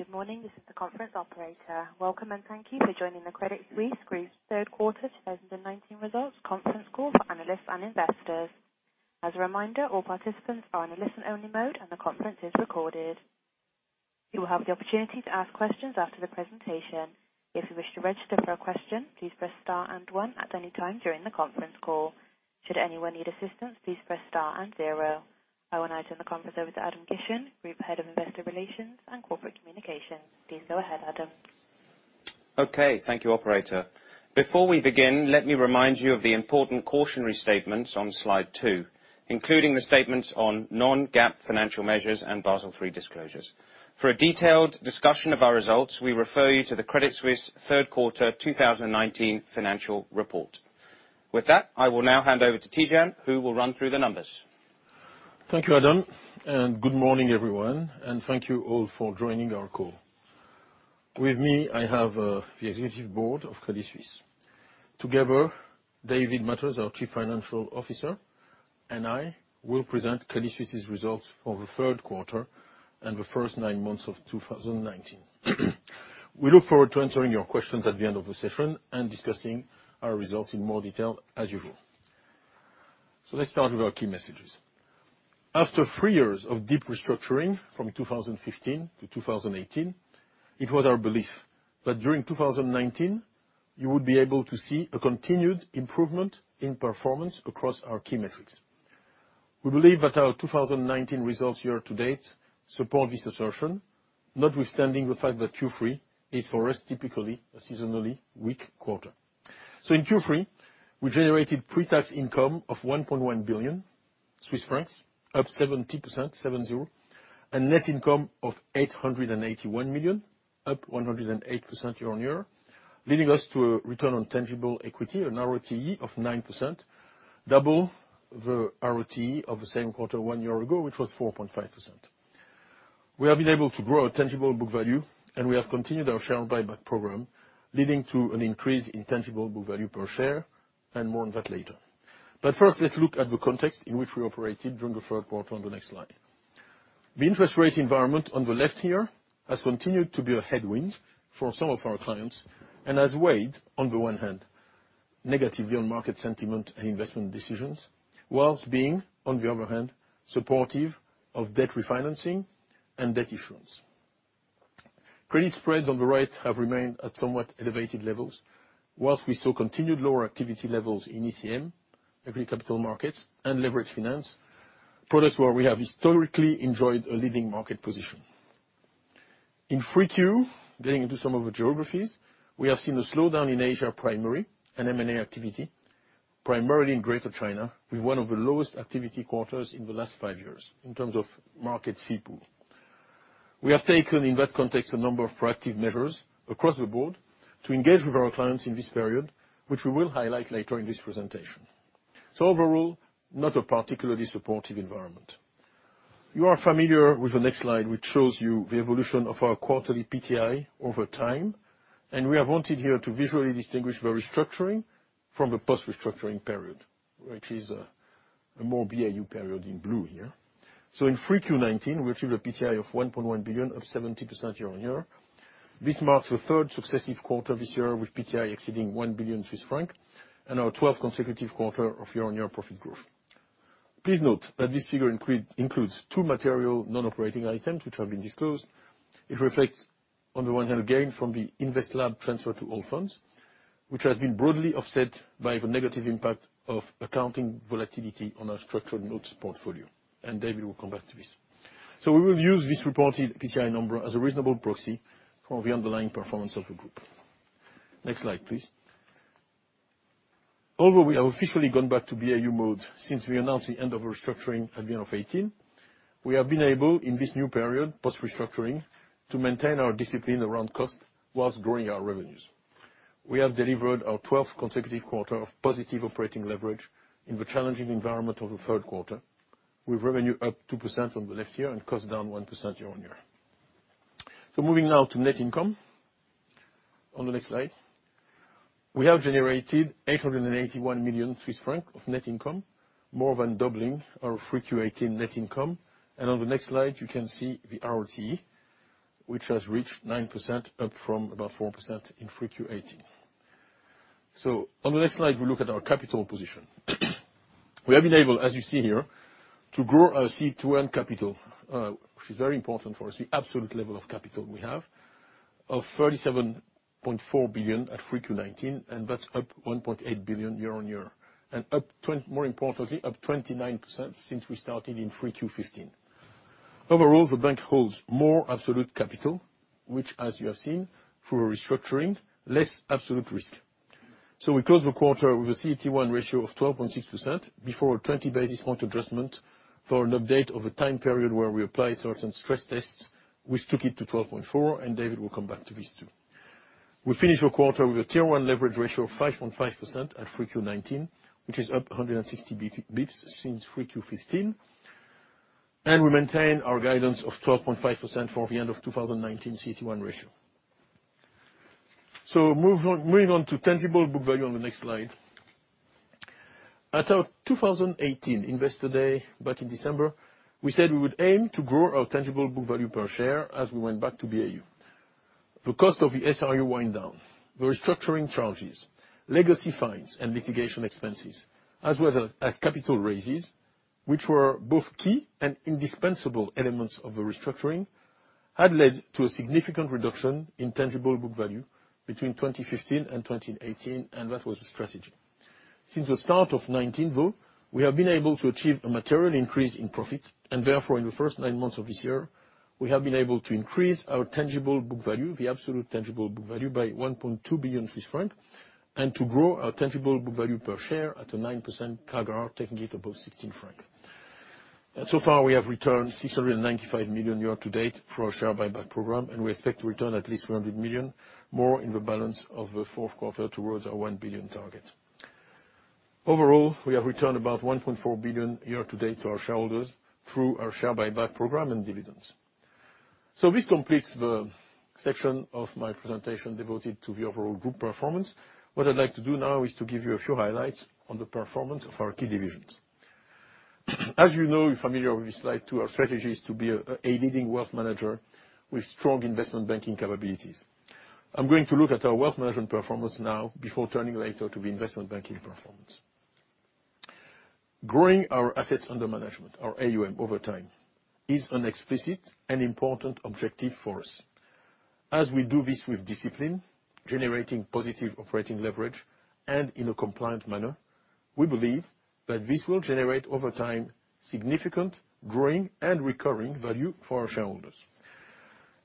Good morning. This is the conference operator. Welcome and thank you for joining the Credit Suisse Group third quarter 2019 results conference call for analysts and investors. As a reminder, all participants are on a listen-only mode, and the conference is recorded. You will have the opportunity to ask questions after the presentation. If you wish to register for a question, please press star and one at any time during the conference call. Should anyone need assistance, please press star and zero. I will now turn the conference over to Adam Gishen, Group Head of Investor Relations and Corporate Communications. Please go ahead, Adam. Okay. Thank you, operator. Before we begin, let me remind you of the important cautionary statements on slide two, including the statements on non-GAAP financial measures and Basel III disclosures. For a detailed discussion of our results, we refer you to the Credit Suisse third quarter 2019 financial report. With that, I will now hand over to Tidjane, who will run through the numbers. Thank you, Adam. Good morning, everyone, and thank you all for joining our call. With me, I have the executive board of Credit Suisse. Together, David Mathers, our Chief Financial Officer, and I will present Credit Suisse's results for the third quarter and the first nine months of 2019. We look forward to answering your questions at the end of the session and discussing our results in more detail as usual. Let's start with our key messages. After three years of deep restructuring from 2015 to 2018, it was our belief that during 2019 you would be able to see a continued improvement in performance across our key metrics. We believe that our 2019 results year-to-date support this assertion, notwithstanding the fact that Q3 is for us typically a seasonally weak quarter. In Q3, we generated pre-tax income of 1.1 billion Swiss francs, up 70%, and net income of 881 million, up 108% year-on-year, leading us to a return on tangible equity and ROTE of 9%, double the ROTE of the same quarter one year ago, which was 4.5%. We have been able to grow our tangible book value, and we have continued our share buyback program, leading to an increase in tangible book value per share. More on that later. First, let's look at the context in which we operated during the third quarter on the next slide. The interest rate environment on the left here has continued to be a headwind for some of our clients and has weighed, on the one hand, negatively on market sentiment and investment decisions, while being, on the other hand, supportive of debt refinancing and debt issuance. Credit spreads on the right have remained at somewhat elevated levels, while we saw continued lower activity levels in ECM and leverage finance products where we have historically enjoyed a leading market position. In 3Q, getting into some of the geographies, we have seen a slowdown in Asia primary and M&A activity, primarily in greater China, with one of the lowest activity quarters in the last five years in terms of market fee pool. We have taken, in that context, a number of proactive measures across the board to engage with our clients in this period, which we will highlight later in this presentation. Overall, not a particularly supportive environment. You are familiar with the next slide, which shows you the evolution of our quarterly PTI over time, and we have wanted here to visually distinguish the restructuring from the post-restructuring period, which is a more BAU period in blue here. For Q19, we achieved a PTI of 1.1 billion, up 70% year-on-year. This marks the third successive quarter this year with PTI exceeding 1 billion Swiss franc and our twelfth consecutive quarter of year-on-year profit growth. Please note that this figure includes two material non-operating items which have been disclosed. It reflects, on the one hand, a gain from the InvestLab transfer to Allfunds, which has been broadly offset by the negative impact of accounting volatility on our structured notes portfolio. David will come back to this. We will use this reported PTI number as a reasonable proxy for the underlying performance of the group. Next slide, please. Although we have officially gone back to BAU mode since we announced the end of the restructuring at the end of 2018, we have been able, in this new period post-restructuring, to maintain our discipline around cost whilst growing our revenues. We have delivered our 12th consecutive quarter of positive operating leverage in the challenging environment of the third quarter, with revenue up 2% from the left here and cost down 1% year-on-year. Moving now to net income on the next slide. We have generated 881 million Swiss francs of net income, more than doubling our Q18 net income. On the next slide, you can see the ROTE, which has reached 9%, up from about 4% in Q18. On the next slide, we look at our capital position. We have been able, as you see here, to grow our CET1 capital, which is very important for us, the absolute level of capital we have, of 37.4 billion at Q19, and that's up 1.8 billion year-on-year, and more importantly, up 29% since we started in Q15. Overall, the bank holds more absolute capital, which, as you have seen, through a restructuring, less absolute risk. We closed the quarter with a CET1 ratio of 12.6% before a 20 basis points adjustment for an update of a time period where we apply certain stress tests, which took it to 12.4%, and David Mathers will come back to this, too. We finished the quarter with a Tier 1 leverage ratio of 5.5% at Q 2019, which is up 160 basis points since Q 2015, and we maintain our guidance of 12.5% for the end of 2019 CET1 ratio. Moving on to tangible book value on the next slide. At our 2018 Investor Day, back in December, we said we would aim to grow our tangible book value per share as we went back to BAU. The cost of the SRU wind down, the restructuring charges, legacy fines, and litigation expenses, as well as capital raises, which were both key and indispensable elements of the restructuring, had led to a significant reduction in tangible book value between 2015 and 2018. That was the strategy. Since the start of 2019, though, we have been able to achieve a material increase in profit, and therefore, in the first nine months of this year, we have been able to increase our tangible book value, the absolute tangible book value, by 1.2 billion Swiss francs, and to grow our tangible book value per share at a 9% CAGR, taking it above 16 francs. So far, we have returned CHF 695 million year to date through our share buyback program, and we expect to return at least 100 million more in the balance of the fourth quarter towards our 1 billion target. Overall, we have returned about CHF 1.4 billion year to date to our shareholders through our share buyback program and dividends. This completes the section of my presentation devoted to the overall group performance. What I'd like to do now is to give you a few highlights on the performance of our key divisions. As you know, you're familiar with this slide, too, our strategy is to be a leading wealth manager with strong Investment Banking capabilities. I'm going to look at our wealth management performance now before turning later to the Investment Banking performance. Growing our assets under management, our AUM, over time is an explicit and important objective for us. As we do this with discipline, generating positive operating leverage and in a compliant manner, we believe that this will generate, over time, significant growing and recurring value for our shareholders.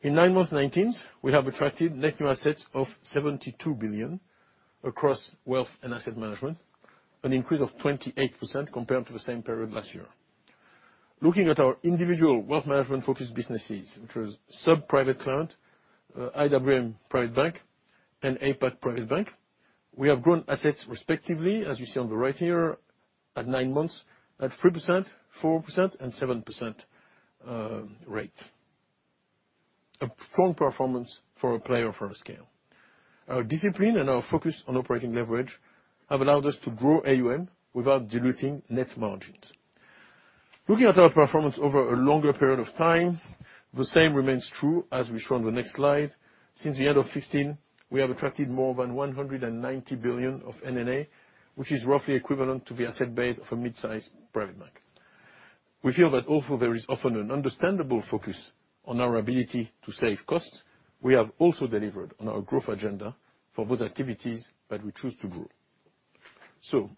In nine months 2019, we have attracted net new assets of 72 billion across wealth and asset management, an increase of 28% compared to the same period last year. Looking at our individual wealth management-focused businesses, which was SUB Private Clients, IWM Private Bank, and APAC Private Banking, we have grown assets respectively, as you see on the right here, at nine months at 3%, 4%, and 7% rate. A strong performance for a player for our scale. Our discipline and our focus on operating leverage have allowed us to grow AUM without diluting net margins. Looking at our performance over a longer period of time, the same remains true as we show on the next slide. Since the end of 2015, we have attracted more than 190 billion of NNA, which is roughly equivalent to the asset base of a mid-size private bank. We feel that although there is often an understandable focus on our ability to save costs, we have also delivered on our growth agenda for those activities that we choose to grow.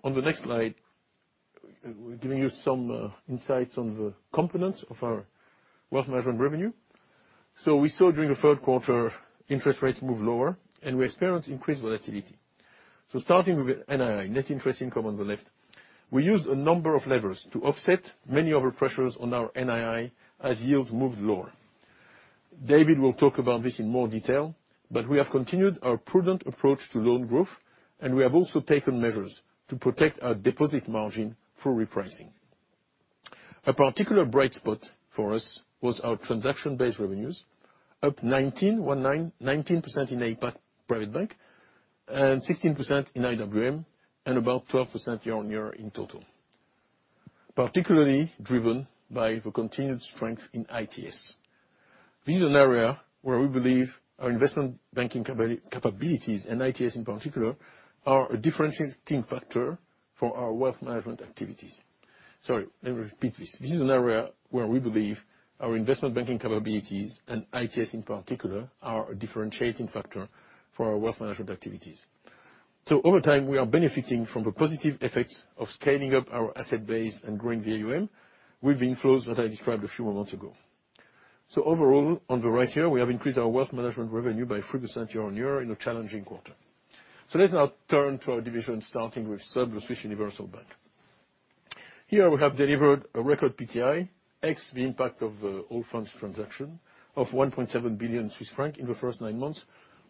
On the next slide, we're giving you some insights on the components of our wealth management revenue. We saw during the third quarter, interest rates move lower, and we experienced increased volatility. Starting with NII, net interest income on the left, we used a number of levers to offset many of the pressures on our NII as yields moved lower. David will talk about this in more detail, but we have continued our prudent approach to loan growth, and we have also taken measures to protect our deposit margin through repricing. A particular bright spot for us was our transaction-based revenues, up 19, one nine, 19% in APAC Private Bank, and 16% in IWM, and about 12% year-on-year in total, particularly driven by the continued strength in ITS. This is an area where we believe our investment banking capabilities, and ITS in particular, are a differentiating factor for our wealth management activities. Sorry, let me repeat this. This is an area where we believe our investment banking capabilities, and ITS in particular, are a differentiating factor for our wealth management activities. Over time, we are benefiting from the positive effects of scaling up our asset base and growing the AUM with the inflows that I described a few moments ago. Overall, on the right here, we have increased our wealth management revenue by 3% year-on-year in a challenging quarter. Let's now turn to our division, starting with SUB, the Swiss Universal Bank. Here, we have delivered a record PTI, ex the impact of the Allfunds transaction, of 1.7 billion Swiss francs in the first nine months,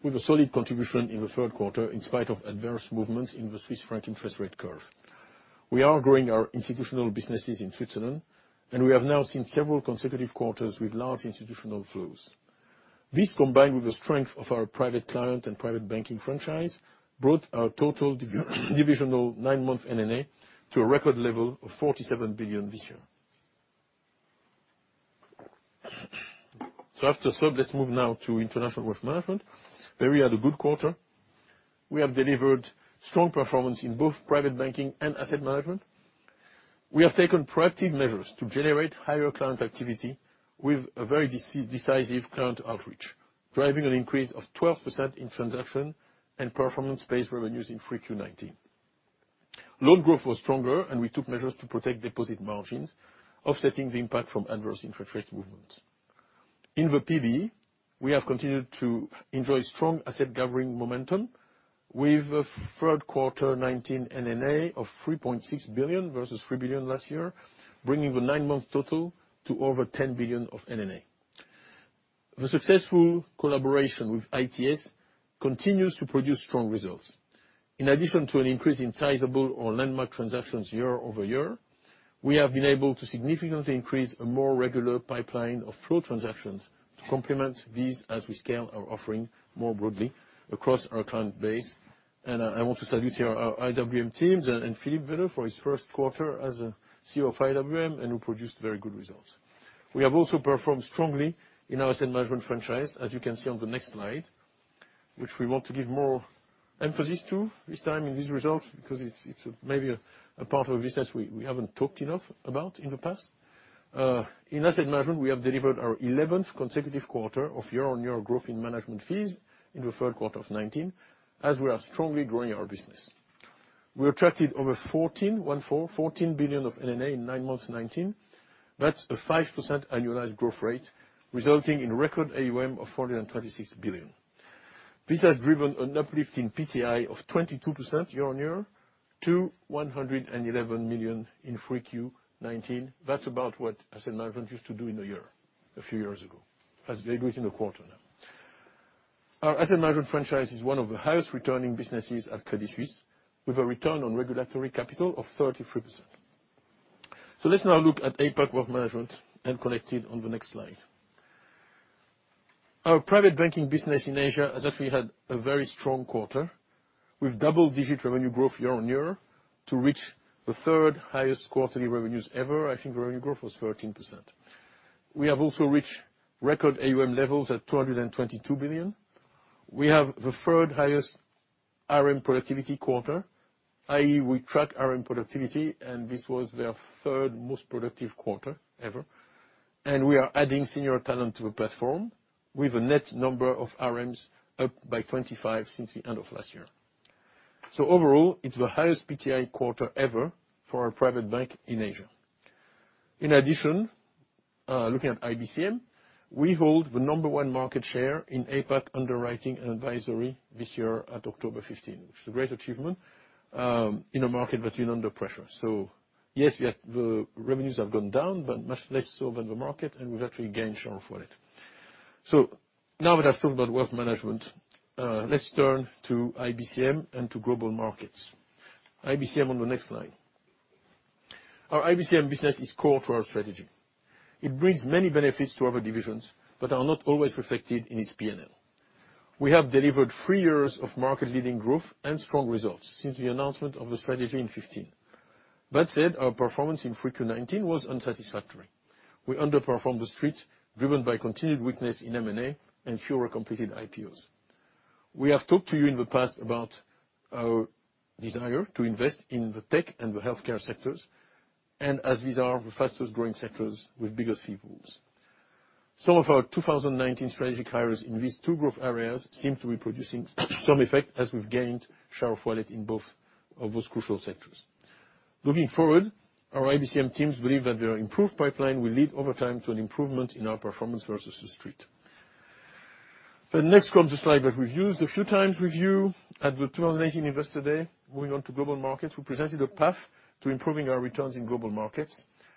with a solid contribution in the third quarter in spite of adverse movements in the Swiss franc interest rate curve. We are growing our institutional businesses in Switzerland, and we have now seen several consecutive quarters with large institutional flows. This, combined with the strength of our private client and private banking franchise, brought our total divisional nine-month NNA to a record level of 47 billion this year. After SUB, let's move now to International Wealth Management, where we had a good quarter. We have delivered strong performance in both private banking and asset management. We have taken proactive measures to generate higher client activity with a very decisive client outreach, driving an increase of 12% in transaction and performance-based revenues in 3Q19. Loan growth was stronger, we took measures to protect deposit margins, offsetting the impact from adverse interest rate movements. In the PB, we have continued to enjoy strong asset gathering momentum with a third quarter '19 NNA of 3.6 billion, versus 3 billion last year, bringing the nine-month total to over 10 billion of NNA. The successful collaboration with ITS continues to produce strong results. In addition to an increase in sizable or landmark transactions year-over-year, we have been able to significantly increase a more regular pipeline of flow transactions to complement these as we scale our offering more broadly across our client base. I want to salute here our IWM teams and Philipp Wehle for his first quarter as CEO of IWM, and who produced very good results. We have also performed strongly in our asset management franchise, as you can see on the next slide, which we want to give more emphasis to this time in these results, because it's maybe a part of business we haven't talked enough about in the past. In asset management, we have delivered our 11th consecutive quarter of year-on-year growth in management fees in the third quarter of 2019, as we are strongly growing our business. We attracted over 14 billion of NNA in 9 months 2019. That's a 5% annualized growth rate, resulting in record AUM of 436 billion. This has driven an uplift in PTI of 22% year-on-year to 111 million in 3Q 2019. That's about what asset management used to do in a year a few years ago, as they do it in a quarter now. Our asset management franchise is one of the highest returning businesses at Credit Suisse, with a return on regulatory capital of 33%. Let's now look at APAC Wealth Management and Connected on the next slide. Our private banking business in Asia has actually had a very strong quarter, with double-digit revenue growth year-on-year to reach the third highest quarterly revenues ever. I think revenue growth was 13%. We have also reached record AUM levels at 222 billion. We have the third highest RM productivity quarter, i.e., we track RM productivity, and this was their third most productive quarter ever, and we are adding senior talent to the platform with a net number of RMs up by 25 since the end of last year. Overall, it's the highest PTI quarter ever for our private bank in Asia. In addition, looking at IBCM, we hold the number one market share in APAC underwriting and advisory this year at October 15, which is a great achievement in a market that's been under pressure. Yes, the revenues have gone down, but much less so than the market, and we've actually gained share of wallet. Now that I've talked about wealth management, let's turn to IBCM and to global markets. IBCM on the next slide. Our IBCM business is core to our strategy. It brings many benefits to other divisions but are not always reflected in its P&L. We have delivered three years of market-leading growth and strong results since the announcement of the strategy in 2015. That said, our performance in 3Q 2019 was unsatisfactory. We underperformed The Street, driven by continued weakness in M&A and fewer completed IPOs. We have talked to you in the past about our desire to invest in the tech and the healthcare sectors, and as these are the fastest-growing sectors with bigger fee pools. Some of our 2019 strategic hires in these two growth areas seem to be producing some effect, as we've gained share of wallet in both of those crucial sectors. Looking forward, our IBCM teams believe that their improved pipeline will lead over time to an improvement in our performance versus The Street. The next comes a slide that we've used a few times with you at the 2018 Investor Day. Moving on to Global Markets, we presented a path to improving our returns in Global Markets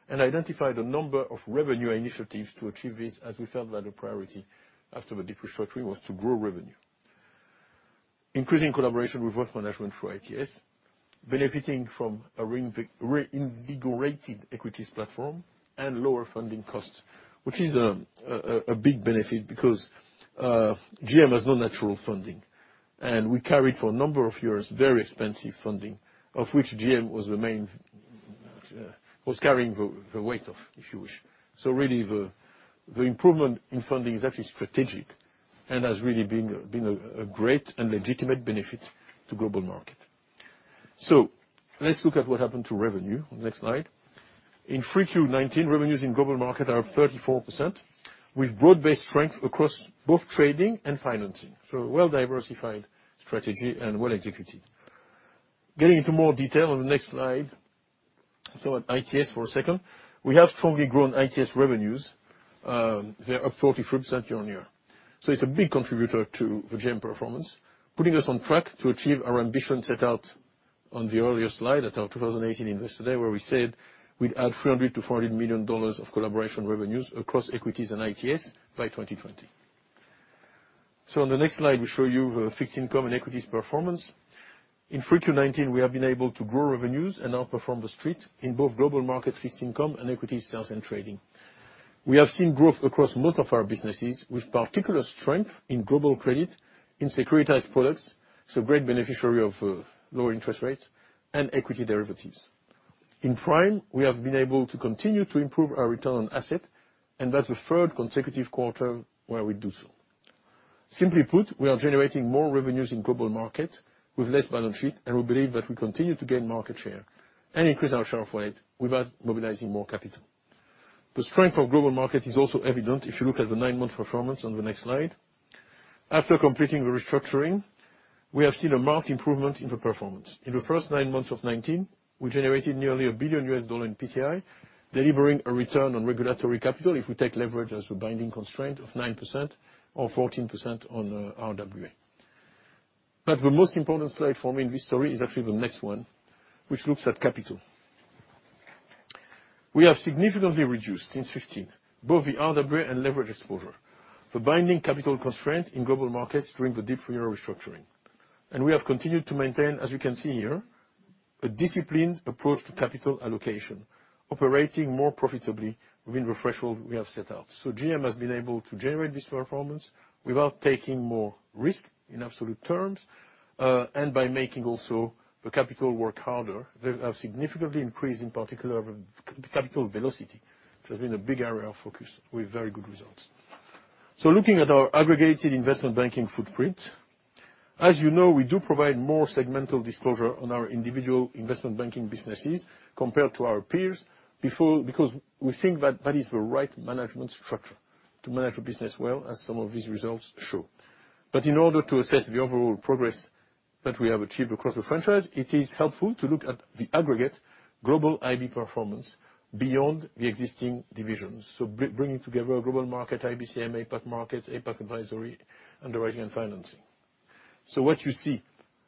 and identified a number of revenue initiatives to achieve this, as we felt that a priority after the deep restructuring was to grow revenue. Increasing collaboration with Wealth Management for ITS, benefiting from a reinvigorated equities platform, and lower funding costs, which is a big benefit because GM has no natural funding, and we carried for a number of years very expensive funding, of which GM was carrying the weight of, if you wish. Really the improvement in funding is actually strategic and has really been a great and legitimate benefit to Global Markets. Let's look at what happened to revenue on the next slide. In 3Q 2019, revenues in Global Markets are up 34%, with broad-based strength across both trading and financing. A well-diversified strategy and well-executed. Getting into more detail on the next slide about ITS for a second, we have strongly grown ITS revenues. They are up 33% year-over-year. It is a big contributor to the GM performance, putting us on track to achieve our ambition set out on the earlier slide at our 2018 Investor Day, where we said we would add CHF 300 million-CHF 400 million of collaboration revenues across equities and ITS by 2020. On the next slide, we show you the fixed income and equities performance. In 3Q 2019, we have been able to grow revenues and outperform The Street in both Global Markets fixed income and equities sales and trading. We have seen growth across most of our businesses, with particular strength in global credit, in securitized products, so great beneficiary of lower interest rates, and equity derivatives. In Prime, we have been able to continue to improve our return on asset, and that's the third consecutive quarter where we do so. Simply put, we are generating more revenues in global markets with less balance sheet, and we believe that we continue to gain market share and increase our share of wallet without mobilizing more capital. The strength of global markets is also evident if you look at the nine-month performance on the next slide. After completing the restructuring, we have seen a marked improvement in the performance. In the first nine months of 2019, we generated nearly $1 billion in PTI, delivering a return on regulatory capital if we take leverage as the binding constraint of 9% or 14% on RWA. The most important slide for me in this story is actually the next one, which looks at capital. We have significantly reduced, since 2015, both the RWA and leverage exposure. The binding capital constraints in Global Markets during the deep year restructuring. We have continued to maintain, as you can see here, a disciplined approach to capital allocation, operating more profitably within the threshold we have set out. GM has been able to generate this performance without taking more risk in absolute terms, and by making also the capital work harder. We have significantly increased, in particular, capital velocity, which has been a big area of focus with very good results. Looking at our aggregated investment banking footprint, as you know, we do provide more segmental disclosure on our individual investment banking businesses compared to our peers, because we think that that is the right management structure to manage a business well, as some of these results show. In order to assess the overall progress that we have achieved across the franchise, it is helpful to look at the aggregate global IB performance beyond the existing divisions. Bringing together Global Markets, IBCM, APAC Markets, APAC Advisory, Underwriting and Financing. What you see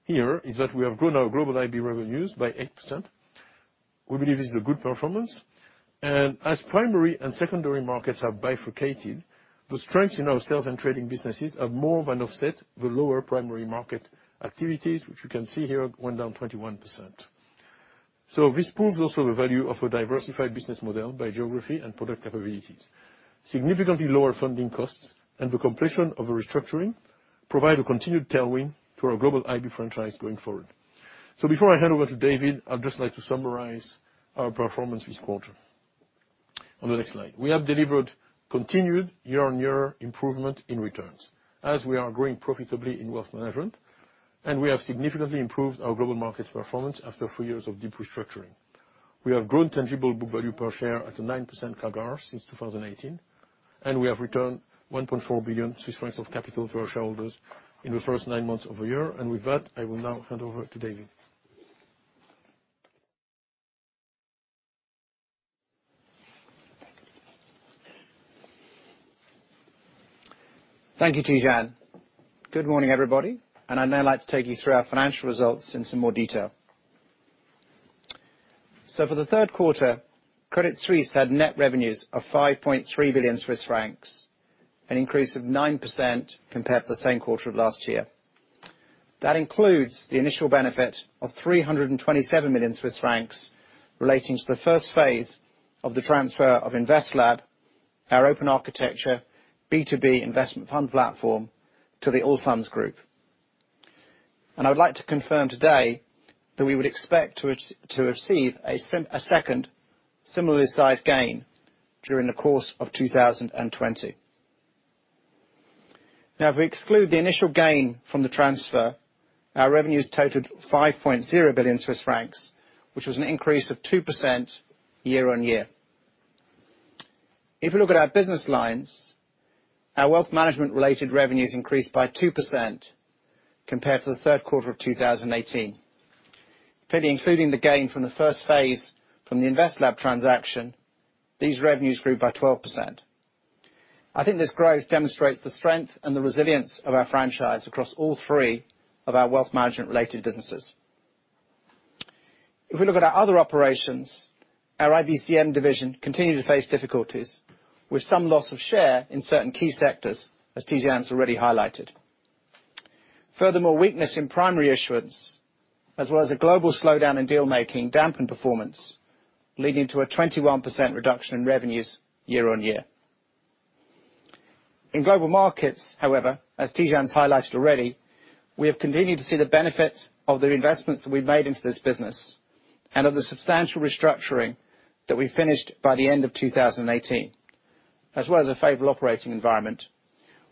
here is that we have grown our global IB revenues by 8%. We believe it is a good performance. As primary and secondary markets have bifurcated, the strengths in our sales and trading businesses have more than offset the lower primary market activities, which you can see here went down 21%. This proves also the value of a diversified business model by geography and product capabilities. Significantly lower funding costs and the completion of a restructuring provide a continued tailwind to our global IB franchise going forward. Before I hand over to David, I'd just like to summarize our performance this quarter on the next slide. We have delivered continued year-on-year improvement in returns as we are growing profitably in wealth management, and we have significantly improved our global markets performance after three years of deep restructuring. We have grown tangible book value per share at a 9% CAGR since 2018, and we have returned 1.4 billion Swiss francs of capital to our shareholders in the first nine months of the year. With that, I will now hand over to David. Thank you, Tidjane. Good morning, everybody. I'd now like to take you through our financial results in some more detail. For the third quarter, Credit Suisse had net revenues of 5.3 billion Swiss francs, an increase of 9% compared to the same quarter of last year. That includes the initial benefit of 327 million Swiss francs relating to the first phase of the transfer of InvestLab, our open architecture B2B investment fund platform to the Allfunds Group. I would like to confirm today that we would expect to receive a second similarly sized gain during the course of 2020. Now, if we exclude the initial gain from the transfer, our revenues totaled 5.0 billion Swiss francs, which was an increase of 2% year-on-year. If you look at our business lines, our wealth management related revenues increased by 2% compared to the third quarter of 2018. Fully including the gain from the first phase from the InvestLab transaction, these revenues grew by 12%. I think this growth demonstrates the strength and the resilience of our franchise across all three of our wealth management related businesses. If we look at our other operations, our IBCM division continued to face difficulties with some loss of share in certain key sectors, as Tidjane's already highlighted. Furthermore, weakness in primary issuance, as well as a global slowdown in deal making dampened performance, leading to a 21% reduction in revenues year-on-year. In global markets, however, as Tidjane's highlighted already, we have continued to see the benefits of the investments that we've made into this business and of the substantial restructuring that we finished by the end of 2018, as well as a favorable operating environment,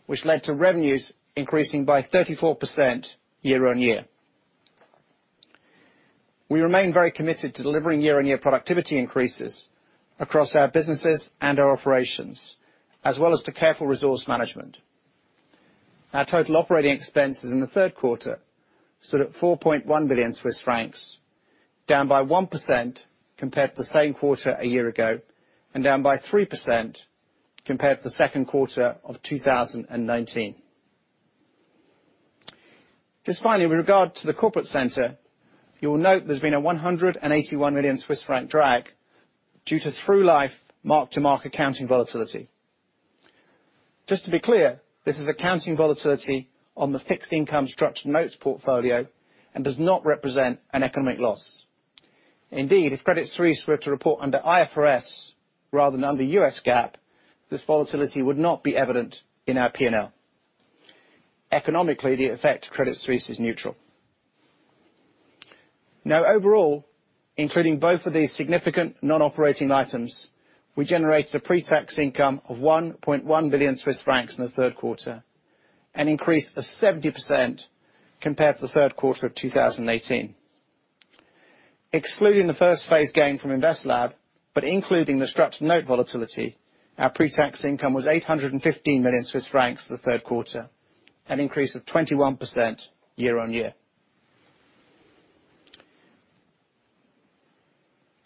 which led to revenues increasing by 34% year-on-year. We remain very committed to delivering year-on-year productivity increases across our businesses and our operations, as well as to careful resource management. Our total operating expenses in the third quarter stood at 4.1 billion Swiss francs, down by 1% compared to the same quarter a year ago, and down by 3% compared to the second quarter of 2019. Just finally, with regard to the corporate center, you will note there's been a 181 million Swiss franc drag due to through-life mark-to-market accounting volatility. Just to be clear, this is accounting volatility on the fixed income structured notes portfolio and does not represent an economic loss. Indeed, if Credit Suisse were to report under IFRS rather than under U.S. GAAP, this volatility would not be evident in our P&L. Economically, the effect to Credit Suisse is neutral. Overall, including both of these significant non-operating items, we generated a pre-tax income of 1.1 billion Swiss francs in the third quarter, an increase of 70% compared to the third quarter of 2018. Excluding the first phase gain from InvestLab, including the structured note volatility, our pre-tax income was 815 million Swiss francs the third quarter, an increase of 21% year-on-year.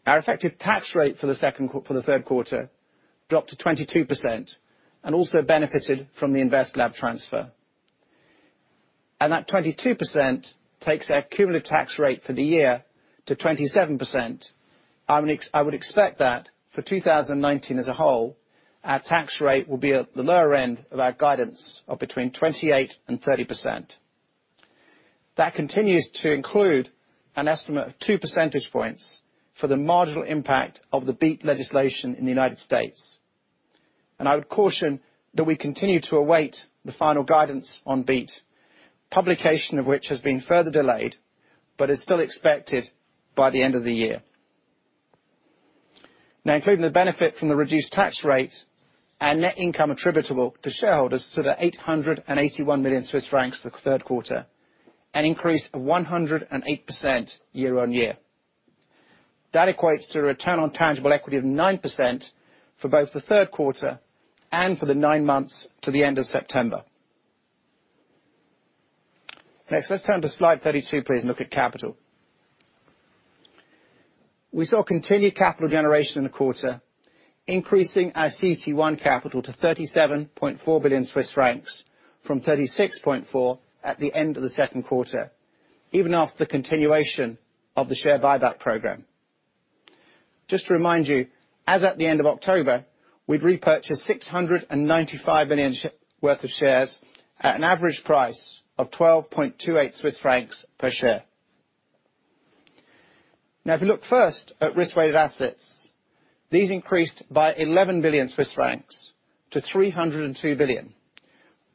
Our effective tax rate for the third quarter dropped to 22% and also benefited from the InvestLab transfer. That 22% takes our cumulative tax rate for the year to 27%. I would expect that for 2019 as a whole, our tax rate will be at the lower end of our guidance of between 28% and 30%. That continues to include an estimate of two percentage points for the marginal impact of the BEAT legislation in the U.S. I would caution that we continue to await the final guidance on BEAT, publication of which has been further delayed, but is still expected by the end of the year. Including the benefit from the reduced tax rate, our net income attributable to shareholders stood at 881 million Swiss francs the third quarter, an increase of 108% year-on-year. That equates to a return on tangible equity of 9% for both the third quarter and for the nine months to the end of September. Let's turn to slide 32, please, and look at capital. We saw continued capital generation in the quarter, increasing our CET1 capital to 37.4 billion Swiss francs from 36.4 billion at the end of the second quarter, even after the continuation of the share buyback program. Just to remind you, as at the end of October, we'd repurchased 695 million worth of shares at an average price of 12.28 Swiss francs per share. If you look first at risk-weighted assets, these increased by 11 billion Swiss francs to 302 billion,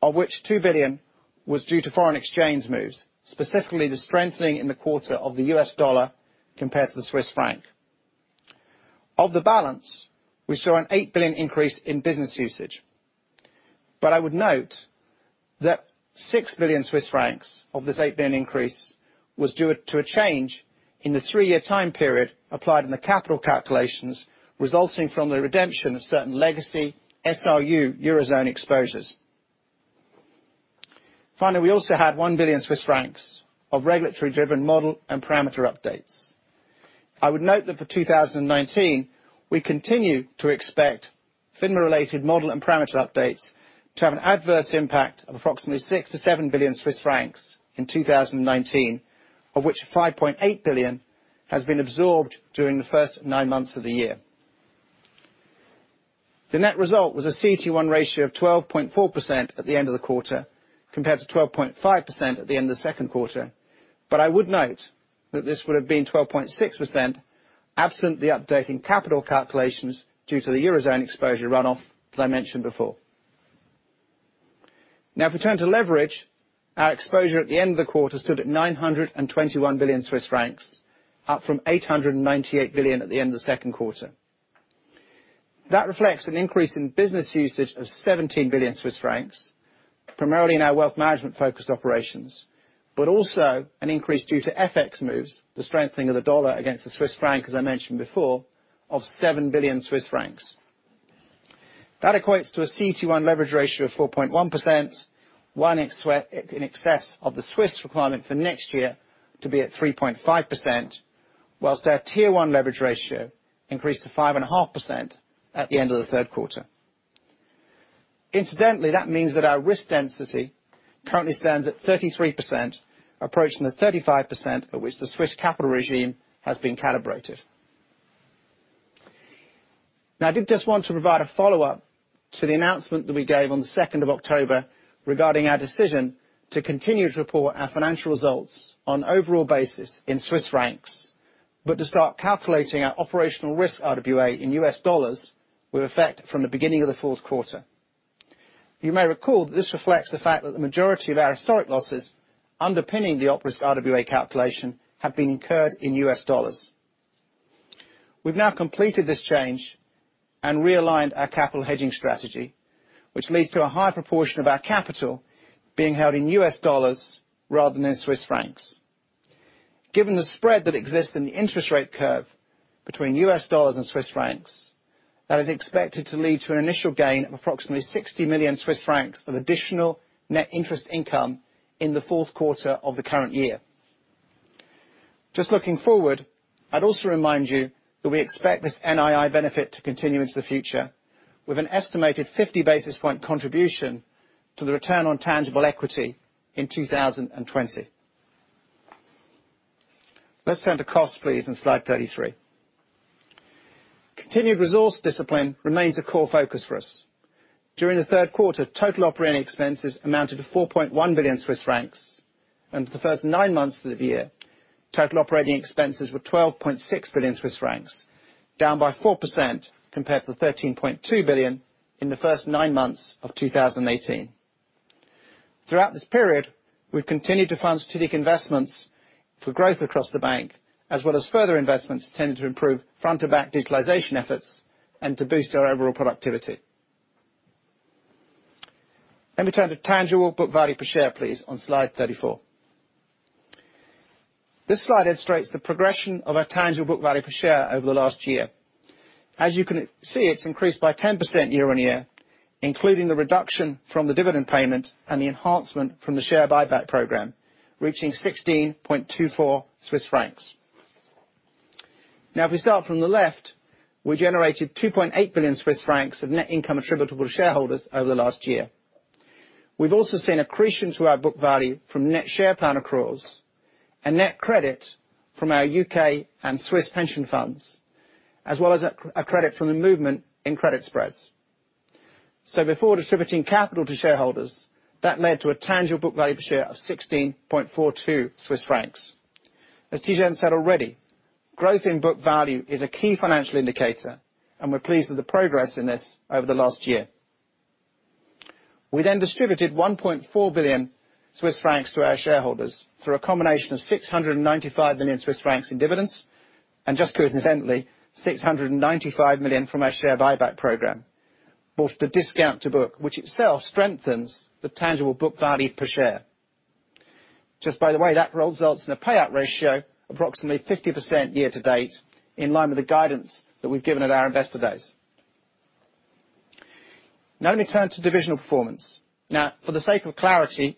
of which 2 billion was due to foreign exchange moves, specifically the strengthening in the quarter of the U.S. dollar compared to the Swiss franc. Of the balance, we saw a 8 billion increase in business usage. I would note that 6 billion Swiss francs of this 8 billion increase was due to a change in the three-year time period applied in the capital calculations, resulting from the redemption of certain legacy SRU Eurozone exposures. Finally, we also had 1 billion Swiss francs of regulatory driven model and parameter updates. I would note that for 2019, we continue to expect FINMA-related model and parameter updates to have an adverse impact of approximately 6 billion to 7 billion Swiss francs in 2019, of which 5.8 billion has been absorbed during the first nine months of the year. The net result was a CET1 ratio of 12.4% at the end of the quarter, compared to 12.5% at the end of the second quarter. I would note that this would have been 12.6% absent the update in capital calculations due to the Eurozone exposure runoff that I mentioned before. Now, if we turn to leverage, our exposure at the end of the quarter stood at 921 billion Swiss francs, up from 898 billion at the end of the second quarter. That reflects an increase in business usage of 17 billion Swiss francs, primarily in our wealth management focused operations, but also an increase due to FX moves, the strengthening of the dollar against the Swiss franc, as I mentioned before, of 7 billion Swiss francs. That equates to a CET1 leverage ratio of 4.1%, one in excess of the Swiss requirement for next year to be at 3.5%, while our Tier 1 leverage ratio increased to 5.5% at the end of the third quarter. Incidentally, that means that our risk density currently stands at 33%, approaching the 35% at which the Swiss capital regime has been calibrated. I did just want to provide a follow-up to the announcement that we gave on the 2nd of October regarding our decision to continue to report our financial results on an overall basis in Swiss francs, but to start calculating our op risk RWA in US dollars with effect from the beginning of the fourth quarter. You may recall that this reflects the fact that the majority of our historic losses underpinning the op risk RWA calculation have been incurred in US dollars. We've now completed this change and realigned our capital hedging strategy, which leads to a higher proportion of our capital being held in US dollars rather than in Swiss francs. Given the spread that exists in the interest rate curve between U.S. dollars and CHF, that is expected to lead to an initial gain of approximately 60 million Swiss francs of additional net interest income in the fourth quarter of the current year. Just looking forward, I'd also remind you that we expect this NII benefit to continue into the future with an estimated 50 basis point contribution to the return on tangible equity in 2020. Let's turn to cost, please, on slide 33. Continued resource discipline remains a core focus for us. During the third quarter, total operating expenses amounted to 4.1 billion Swiss francs, and for the first nine months of the year, total operating expenses were 12.6 billion Swiss francs, down by 4% compared to the 13.2 billion in the first nine months of 2018. Throughout this period, we've continued to fund strategic investments for growth across the bank, as well as further investments intended to improve front to back digitalization efforts and to boost our overall productivity. Let me turn to tangible book value per share, please, on slide 34. This slide illustrates the progression of our tangible book value per share over the last year. As you can see, it's increased by 10% year-on-year, including the reduction from the dividend payment and the enhancement from the share buyback program, reaching 16.24 Swiss francs. If we start from the left, we generated 2.8 billion Swiss francs of net income attributable to shareholders over the last year. We've also seen accretion to our book value from net share plan accruals and net credit from our U.K. and Swiss pension funds, as well as a credit from the movement in credit spreads. Before distributing capital to shareholders, that led to a tangible book value per share of 16.42 Swiss francs. As Tidjane said already, growth in book value is a key financial indicator, and we're pleased with the progress in this over the last year. We then distributed 1.4 billion Swiss francs to our shareholders through a combination of 695 million Swiss francs in dividends, and just coincidentally, 695 million from our share buyback program, both at a discount to book, which itself strengthens the tangible book value per share. Just by the way, that results in a payout ratio approximately 50% year to date, in line with the guidance that we've given at our investor days. Let me turn to divisional performance. For the sake of clarity,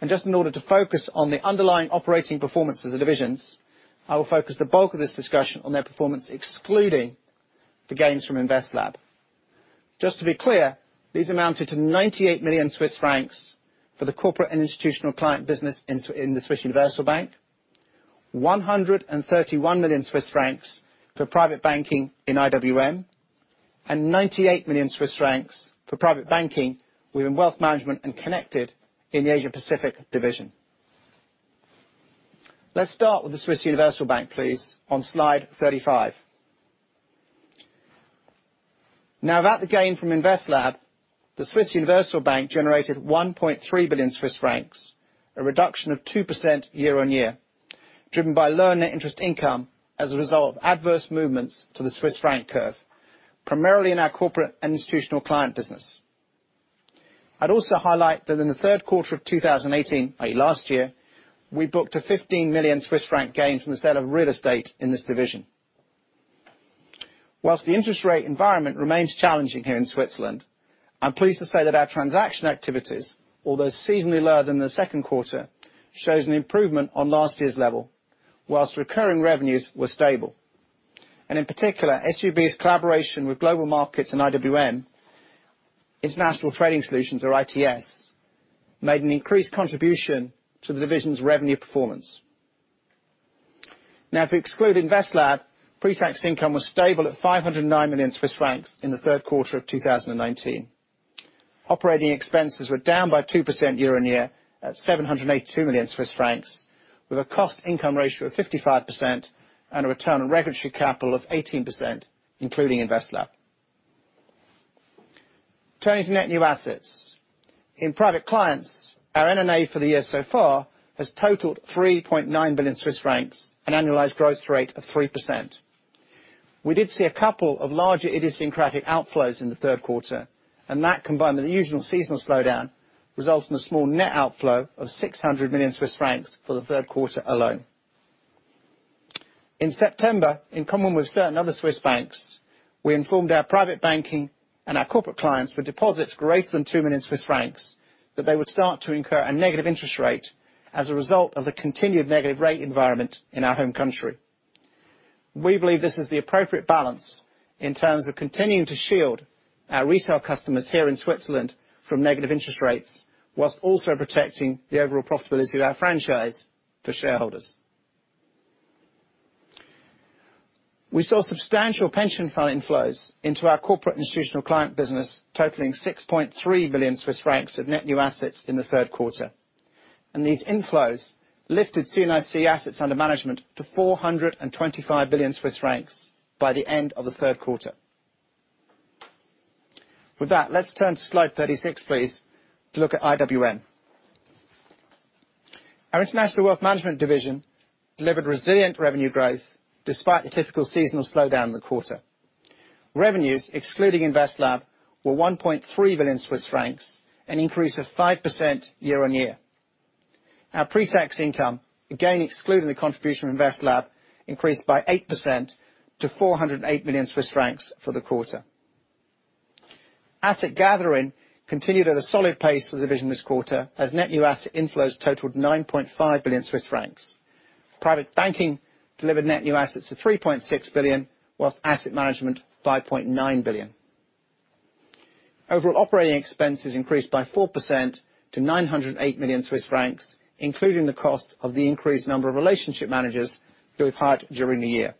and just in order to focus on the underlying operating performance of the divisions, I will focus the bulk of this discussion on their performance excluding the gains from InvestLab. Just to be clear, these amounted to 98 million Swiss francs for the corporate and institutional client business in the Swiss Universal Bank, 131 million Swiss francs for private banking in IWM, and 98 million Swiss francs for private banking within wealth management and connected in the Asia Pacific division. Let's start with the Swiss Universal Bank, please, on slide 35. Without the gain from InvestLab, the Swiss Universal Bank generated 1.3 billion Swiss francs, a reduction of 2% year-on-year, driven by lower net interest income as a result of adverse movements to the Swiss franc curve, primarily in our corporate and institutional client business. I'd also highlight that in the third quarter of 2018, i.e. last year, we booked a 15 million Swiss franc gain from the sale of real estate in this division. Whilst the interest rate environment remains challenging here in Switzerland, I'm pleased to say that our transaction activities, although seasonally lower than the second quarter, shows an improvement on last year's level, whilst recurring revenues were stable. In particular, SUB's collaboration with global markets and IWM, its International Trading Solutions, or ITS, made an increased contribution to the division's revenue performance. Now, if we exclude InvestLab, pretax income was stable at 509 million Swiss francs in the third quarter of 2019. Operating expenses were down by 2% year-on-year at 782 million Swiss francs, with a cost income ratio of 55% and a return on regulatory capital of 18%, including InvestLab. Turning to net new assets. In private clients, our NNA for the year so far has totaled 3.9 billion Swiss francs, an annualized growth rate of 3%. That, combined with the usual seasonal slowdown, results in a small net outflow of 600 million Swiss francs for the third quarter alone. In September, in common with certain other Swiss banks, we informed our private banking and our corporate clients for deposits greater than 2 million Swiss francs that they would start to incur a negative interest rate as a result of the continued negative rate environment in our home country. We believe this is the appropriate balance in terms of continuing to shield our retail customers here in Switzerland from negative interest rates, while also protecting the overall profitability of our franchise for shareholders. We saw substantial pension fund inflows into our corporate institutional client business totaling 6.3 billion Swiss francs of net new assets in the third quarter. These inflows lifted SUB assets under management to 425 billion Swiss francs by the end of the third quarter. With that, let's turn to slide 36, please, to look at IWM. Our International Wealth Management division delivered resilient revenue growth despite the typical seasonal slowdown in the quarter. Revenues excluding Invest Lab were 1.3 billion Swiss francs, an increase of 5% year-over-year. Our pretax income, again excluding the contribution of Invest Lab, increased by 8% to 408 million Swiss francs for the quarter. Asset gathering continued at a solid pace for the division this quarter, as net new asset inflows totaled 9.5 billion Swiss francs. Private banking delivered net new assets of 3.6 billion, whilst asset management, 5.9 billion. Overall operating expenses increased by 4% to 908 million Swiss francs, including the cost of the increased number of relationship managers who we've hired during the year.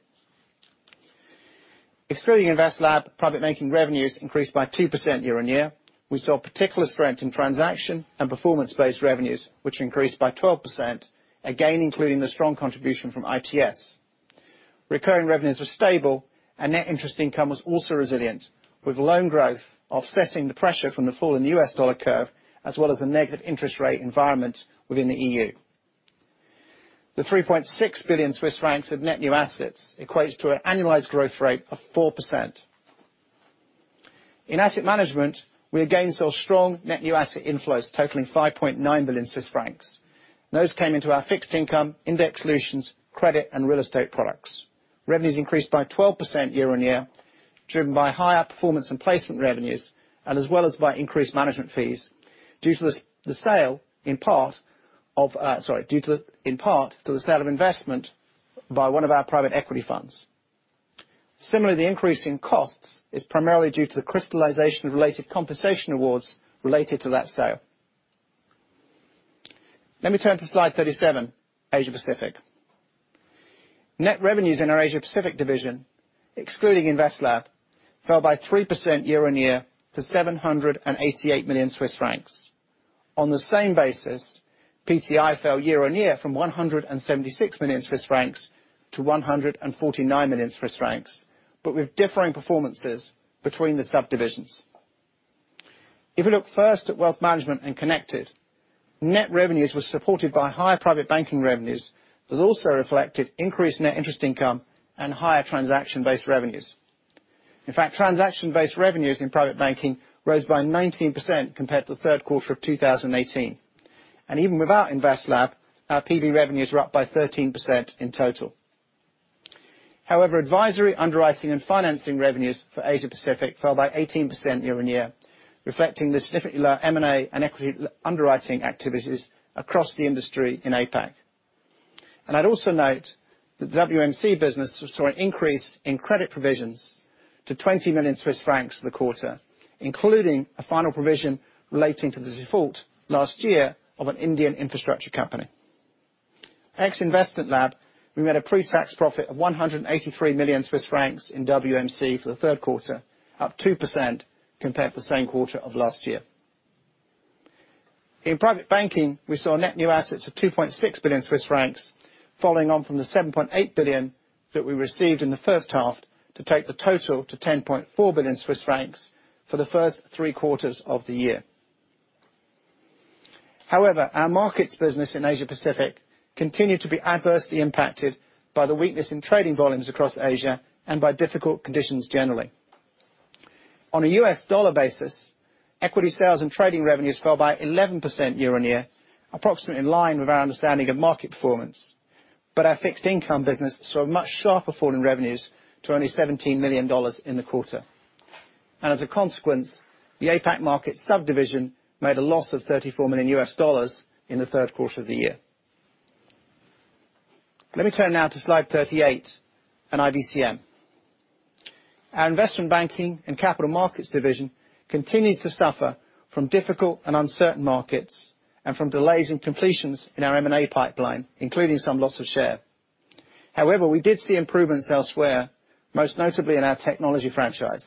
Excluding InvestLab, private banking revenues increased by 2% year-over-year. We saw particular strength in transaction and performance-based revenues, which increased by 12%, again including the strong contribution from ITS. Net interest income was also resilient, with loan growth offsetting the pressure from the fall in the U.S. dollar curve, as well as the negative interest rate environment within the EU. The 3.6 billion Swiss francs of net new assets equates to an annualized growth rate of 4%. In asset management, we again saw strong net new asset inflows totaling 5.9 billion Swiss francs. Those came into our fixed income, index solutions, credit, and real estate products. Revenues increased by 12% year-on-year, driven by higher performance and placement revenues, as well as by increased management fees due to, in part, the sale of investment by one of our private equity funds. Similarly, the increase in costs is primarily due to the crystallization-related compensation awards related to that sale. Let me turn to slide 37, Asia Pacific. Net revenues in our Asia Pacific division, excluding InvestLab, fell by 3% year-on-year to 788 million Swiss francs. On the same basis, PTI fell year-on-year from 176 million Swiss francs to 149 million Swiss francs, with differing performances between the subdivisions. If we look first at wealth management and Connected, net revenues were supported by higher private banking revenues that also reflected increased net interest income and higher transaction-based revenues. In fact, transaction-based revenues in private banking rose by 19% compared to the third quarter of 2018. Even without InvestLab, our PB revenues were up by 13% in total. However, advisory underwriting and financing revenues for Asia Pacific fell by 18% year-on-year, reflecting the significantly lower M&A and equity underwriting activities across the industry in APAC. I'd also note that the WMC business saw an increase in credit provisions to 20 million Swiss francs for the quarter, including a final provision relating to the default last year of an Indian infrastructure company. Ex InvestLab, we made a pre-tax profit of 183 million Swiss francs in WMC for the third quarter, up 2% compared to the same quarter of last year. In private banking, we saw net new assets of 2.6 billion Swiss francs, following on from the 7.8 billion that we received in the first half to take the total to 10.4 billion Swiss francs for the first three quarters of the year. However, our markets business in Asia Pacific continued to be adversely impacted by the weakness in trading volumes across Asia and by difficult conditions generally. On a US dollar basis, equity sales and trading revenues fell by 11% year-on-year, approximately in line with our understanding of market performance. Our fixed income business saw a much sharper fall in revenues to only CHF 17 million in the quarter. As a consequence, the APAC market subdivision made a loss of CHF 34 million in the third quarter of the year. Let me turn now to slide 38 and IBCM. Our investment banking and capital markets division continues to suffer from difficult and uncertain markets and from delays in completions in our M&A pipeline, including some loss of share. We did see improvements elsewhere, most notably in our technology franchise.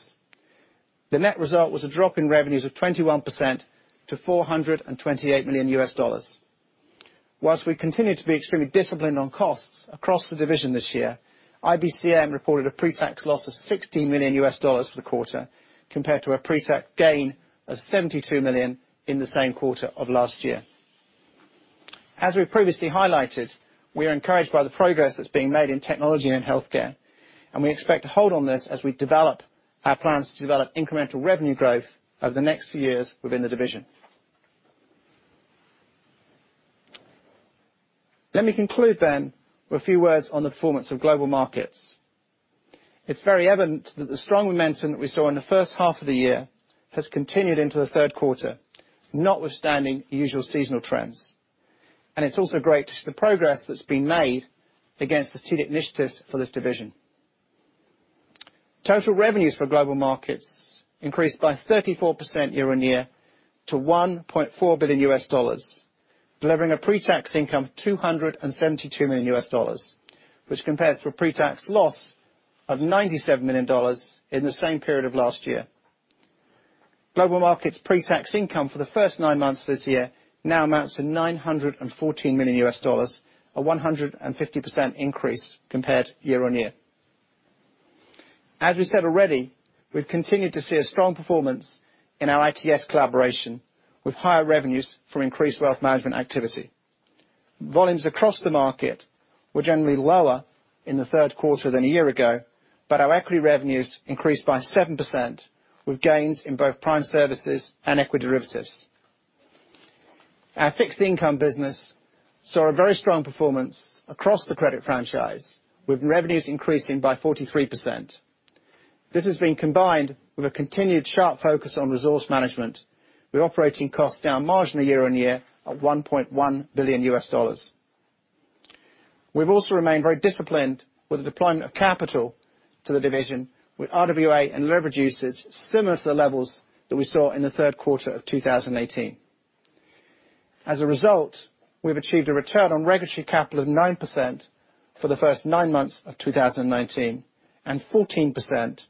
The net result was a drop in revenues of 21% to $428 million. Whilst we continue to be extremely disciplined on costs across the division this year, IBCM reported a pre-tax loss of $16 million for the quarter, compared to a pre-tax gain of $72 million in the same quarter of last year. As we previously highlighted, we are encouraged by the progress that's being made in technology and in healthcare, and we expect to hold on this as we develop our plans to develop incremental revenue growth over the next few years within the division. Let me conclude then with a few words on the performance of Global Markets. It's very evident that the strong momentum that we saw in the first half of the year has continued into the third quarter, notwithstanding usual seasonal trends. It's also great to see the progress that's been made against the strategic initiatives for this division. Total revenues for global markets increased by 34% year-on-year to $1.4 billion, delivering a pre-tax income of $272 million, which compares to a pre-tax loss of CHF 97 million in the same period of last year. Global markets pre-tax income for the first nine months of this year now amounts to $914 million, a 150% increase compared year-on-year. As we said already, we've continued to see a strong performance in our ITS collaboration with higher revenues from increased wealth management activity. Volumes across the market were generally lower in the third quarter than a year ago, our equity revenues increased by 7%, with gains in both prime services and equity derivatives. Our fixed income business saw a very strong performance across the credit franchise, with revenues increasing by 43%. This has been combined with a continued sharp focus on resource management, with operating costs down marginally year-on-year at $1.1 billion USD. We've also remained very disciplined with the deployment of capital to the division, with RWA and leverage usage similar to the levels that we saw in the third quarter of 2018. As a result, we've achieved a return on regulatory capital of 9% for the first nine months of 2019, and 14%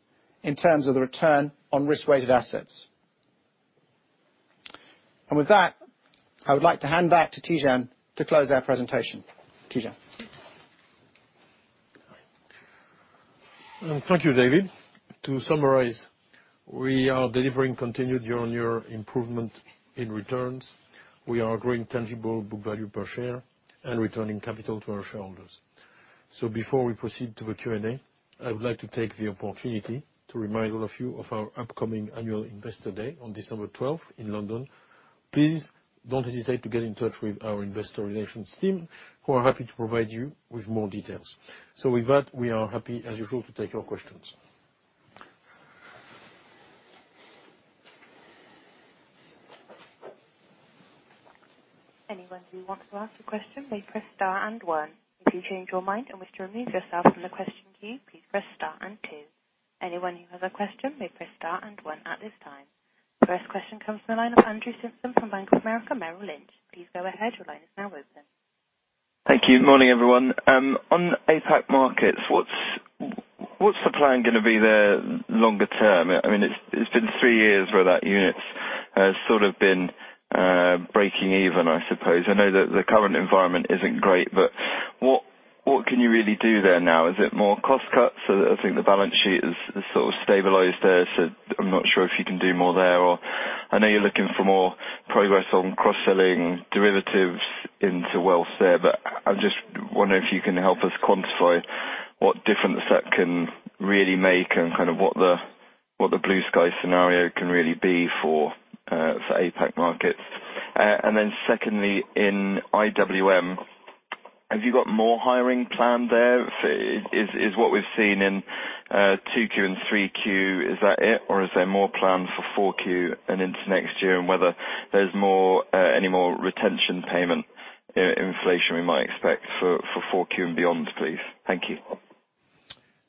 in terms of the return on risk-weighted assets. With that, I would like to hand back to Tidjane to close our presentation. Tidjane? Thank you, David. To summarize, we are delivering continued year-on-year improvement in returns. We are growing tangible book value per share and returning capital to our shareholders. Before we proceed to the Q&A, I would like to take the opportunity to remind all of you of our upcoming annual investor day on December 12th in London. Please don't hesitate to get in touch with our investor relations team, who are happy to provide you with more details. With that, we are happy as usual to take your questions. Anyone who wants to ask a question may press star and one. If you change your mind and wish to remove yourself from the question queue, please press star and two. Anyone who has a question may press star and one at this time. First question comes from the line of Andrew Stimpson from Bank of America Merrill Lynch. Please go ahead. Your line is now open. Thank you. Morning, everyone. On APAC markets, what's the plan going to be there longer term? It's been three years where that unit has sort of been breaking even, I suppose. I know that the current environment isn't great, but what can you really do there now? Is it more cost cuts? I think the balance sheet has sort of stabilized there, so I'm not sure if you can do more there, or I know you're looking for more progress on cross-selling derivatives into wealth there, but I just wonder if you can help us quantify what difference that can really make and kind of what the blue sky scenario can really be for APAC markets. Secondly, in IWM, have you got more hiring planned there? Is what we've seen in 2Q and 3Q, is that it, or is there more planned for 4Q and into next year? Whether there's any more retention payment inflation we might expect for 4Q and beyond, please. Thank you.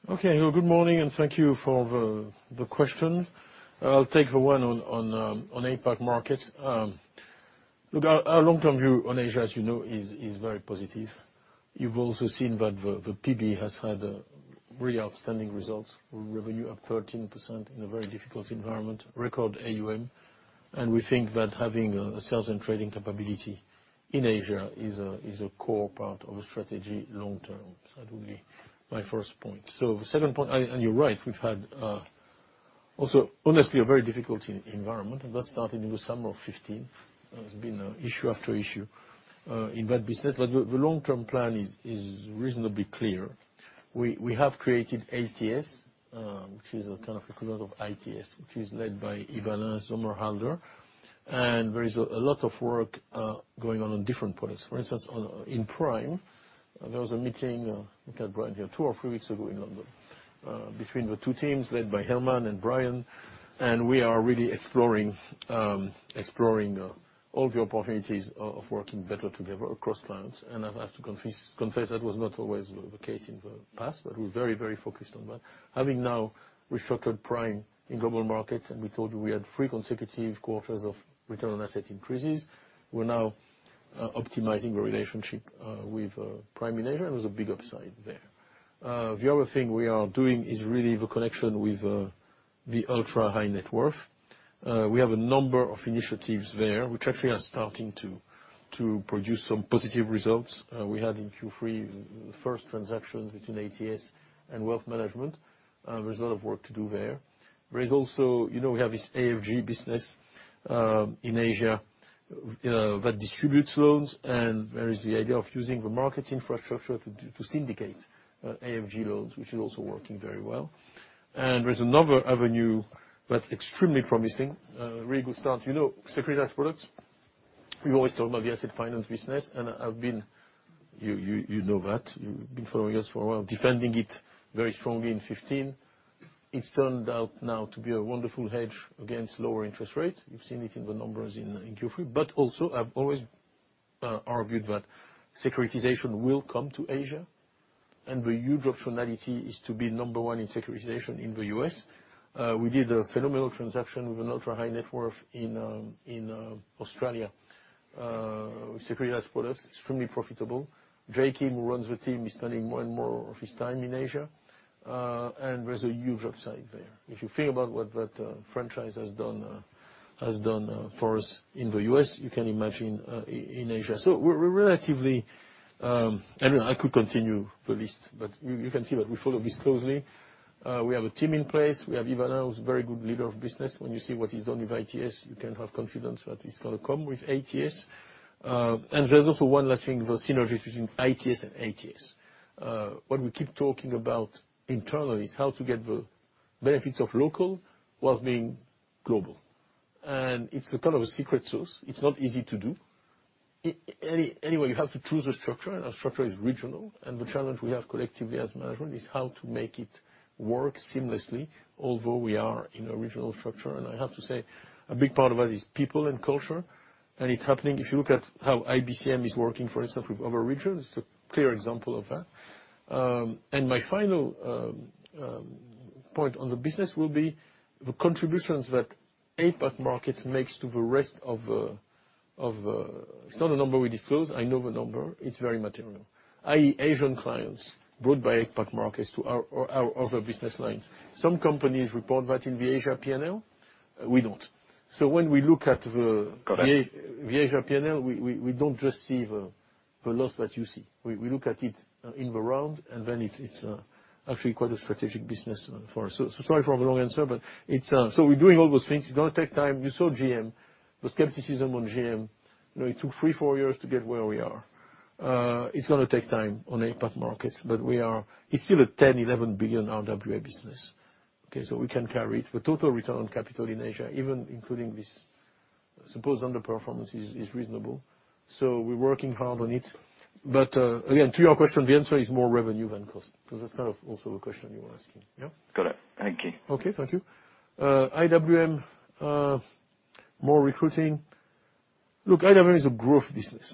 Okay. Well, good morning, and thank you for the questions. I'll take the one on APAC market. Look, our long-term view on Asia, you know, is very positive. You've also seen that the PB has had really outstanding results, with revenue up 13% in a very difficult environment, record AUM, and we think that having a sales and trading capability in Asia is a core part of the strategy long term. That would be my first point. The second point, and you're right, we've had also, honestly, a very difficult environment, and that started in the summer of 2015. There's been issue after issue in that business. The long-term plan is reasonably clear. We have created ATS, which is a kind of equivalent of ITS, which is led by Yves-Alain Sommerhalder, and there is a lot of work going on different products. For instance, in Prime, there was a meeting, I think I brought here two or three weeks ago in London, between the two teams led by Helman and Brian, we are really exploring all the opportunities of working better together across clients. I have to confess, that was not always the case in the past, but we're very focused on that. Having now restructured Prime in global markets, we told you we had three consecutive quarters of return on asset increases. We're now optimizing the relationship with Prime in Asia. There's a big upside there. The other thing we are doing is really the connection with the ultra-high net worth. We have a number of initiatives there, which actually are starting to produce some positive results. We had in Q3 the first transactions between ATS and wealth management. There's a lot of work to do there. There is also, we have this AFG business in Asia that distributes loans, and there is the idea of using the market infrastructure to syndicate AFG loans, which is also working very well. There's another avenue that's extremely promising. A really good start. You know securitized products. We always talk about the asset finance business, and I've been, you know that, you've been following us for a while, defending it very strongly in 2015. It's turned out now to be a wonderful hedge against lower interest rates. You've seen it in the numbers in Q3. Also, I've always argued that securitization will come to Asia, and the huge optionality is to be number one in securitization in the U.S. We did a phenomenal transaction with an ultra-high net worth in Australia with securitized products, extremely profitable. Jay Kim, who runs the team, is spending more and more of his time in Asia. There's a huge upside there. If you think about what that franchise has done for us in the U.S., you can imagine in Asia. I could continue the list, but you can see that we follow this closely. We have a team in place. We have Ivana, who's a very good leader of business. When you see what he's done with ITS, you can have confidence that it's going to come with ATS. There's also one last thing, the synergies between ITS and ATS. What we keep talking about internally is how to get the benefits of local whilst being global. It's a kind of a secret sauce. It's not easy to do. Anyway, you have to choose a structure, and our structure is regional, and the challenge we have collectively as management is how to make it work seamlessly, although we are in a regional structure. I have to say, a big part of that is people and culture. It's happening. If you look at how IBCM is working, for instance, with other regions, it's a clear example of that. My final point on the business will be the contributions that APAC markets makes to the rest of. It's not a number we disclose. I know the number. It's very material. i.e., Asian clients brought by APAC markets to our other business lines. Some companies report that in the Asia P&L. We don't. When we look at the. Got it. the APAC P&L, we don't just see the loss that you see. We look at it in the round, it's actually quite a strategic business for us. Sorry for the long answer, we're doing all those things. It's going to take time. You saw GM, the skepticism on GM. It took three, four years to get where we are. It's going to take time on APAC markets, it's still a 10, 11 billion RWA business. We can carry it. The total return on capital in APAC, even including this supposed underperformance, is reasonable. We're working hard on it. Again, to your question, the answer is more revenue than cost, because that's also a question you were asking. Yeah? Got it. Thank you. Okay. Thank you. IWM, more recruiting. Look, IWM is a growth business,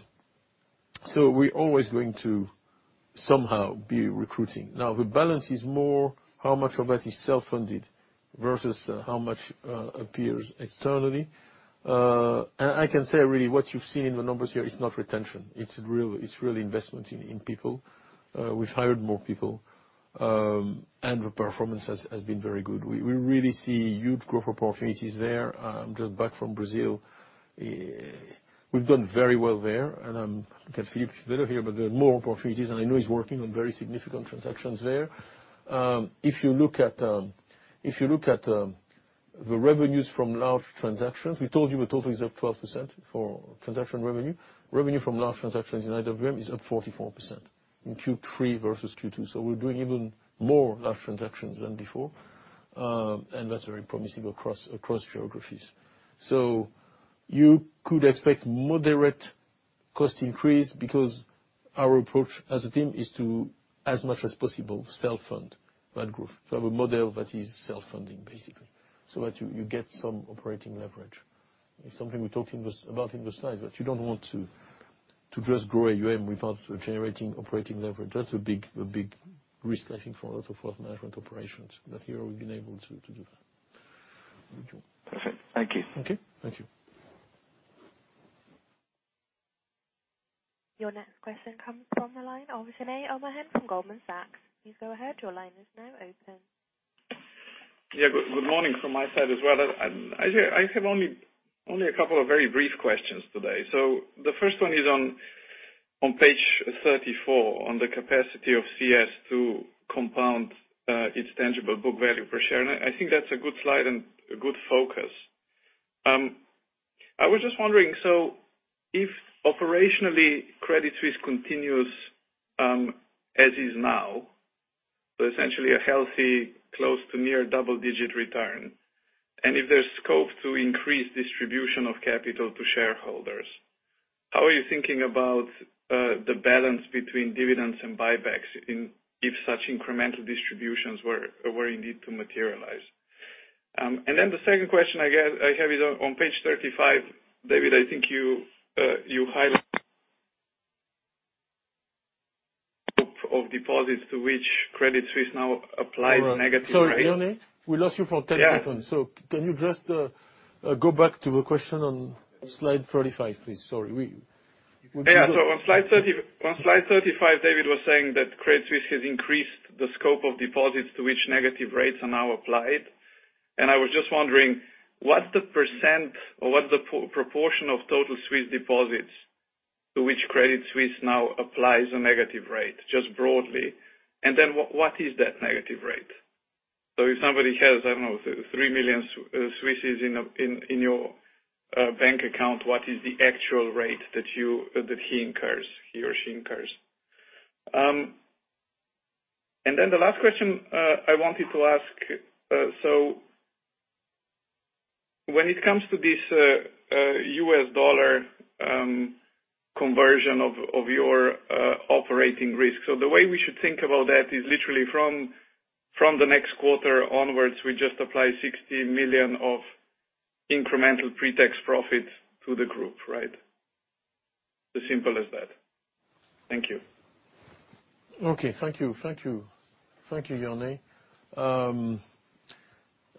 so we're always going to somehow be recruiting. The balance is more how much of that is self-funded versus how much appears externally. I can say, really, what you've seen in the numbers here is not retention. It's real investment in people. We've hired more people, and the performance has been very good. We really see huge growth opportunities there. Just back from Brazil. We've done very well there, and look at Philippe, he's better here, but there are more opportunities, and I know he's working on very significant transactions there. If you look at the revenues from large transactions, we told you the total is up 12% for transaction revenue. Revenue from large transactions in IWM is up 44% in Q3 versus Q2. We're doing even more large transactions than before. That's very promising across geographies. You could expect moderate cost increase, because our approach as a team is to, as much as possible, self-fund that growth. Have a model that is self-funding, basically, so that you get some operating leverage. It's something we talked about in the slides, that you don't want to just grow AUM without generating operating leverage. That's a big risk, I think, for a lot of wealth management operations. Here, we've been able to do that. Perfect. Thank you. Okay. Thank you. Your next question comes from the line of Jernej Omahen from Goldman Sachs. Please go ahead. Your line is now open. Yeah. Good morning from my side as well. I have only a couple of very brief questions today. The first one is on page 34, on the capacity of CS to compound its tangible book value per share. I think that's a good slide and a good focus. I was just wondering, so if operationally Credit Suisse continues as is now, so essentially a healthy close to near double-digit return, and if there's scope to increase distribution of capital to shareholders, how are you thinking about the balance between dividends and buybacks if such incremental distributions were indeed to materialize? The second question I have is on page 35. David, I think you highlight of deposits to which Credit Suisse now applies negative rates. Sorry, Rene, we lost you for 10 seconds. Yeah. Can you just go back to the question on slide 35, please? Sorry. Yeah. On slide 35, David was saying that Credit Suisse has increased the scope of deposits to which negative rates are now applied. I was just wondering, what's the % or what's the proportion of total Suisse deposits to which Credit Suisse now applies a negative rate, just broadly? What is that negative rate? If somebody has, I don't know, 3 million CHF in your bank account, what is the actual rate that he incurs, he or she incurs? The last question I wanted to ask, when it comes to this USD conversion of your operating risk, the way we should think about that is literally from the next quarter onwards, we just apply 60 million of incremental pre-tax profit to the group, right? As simple as that. Thank you. Okay. Thank you, Rene.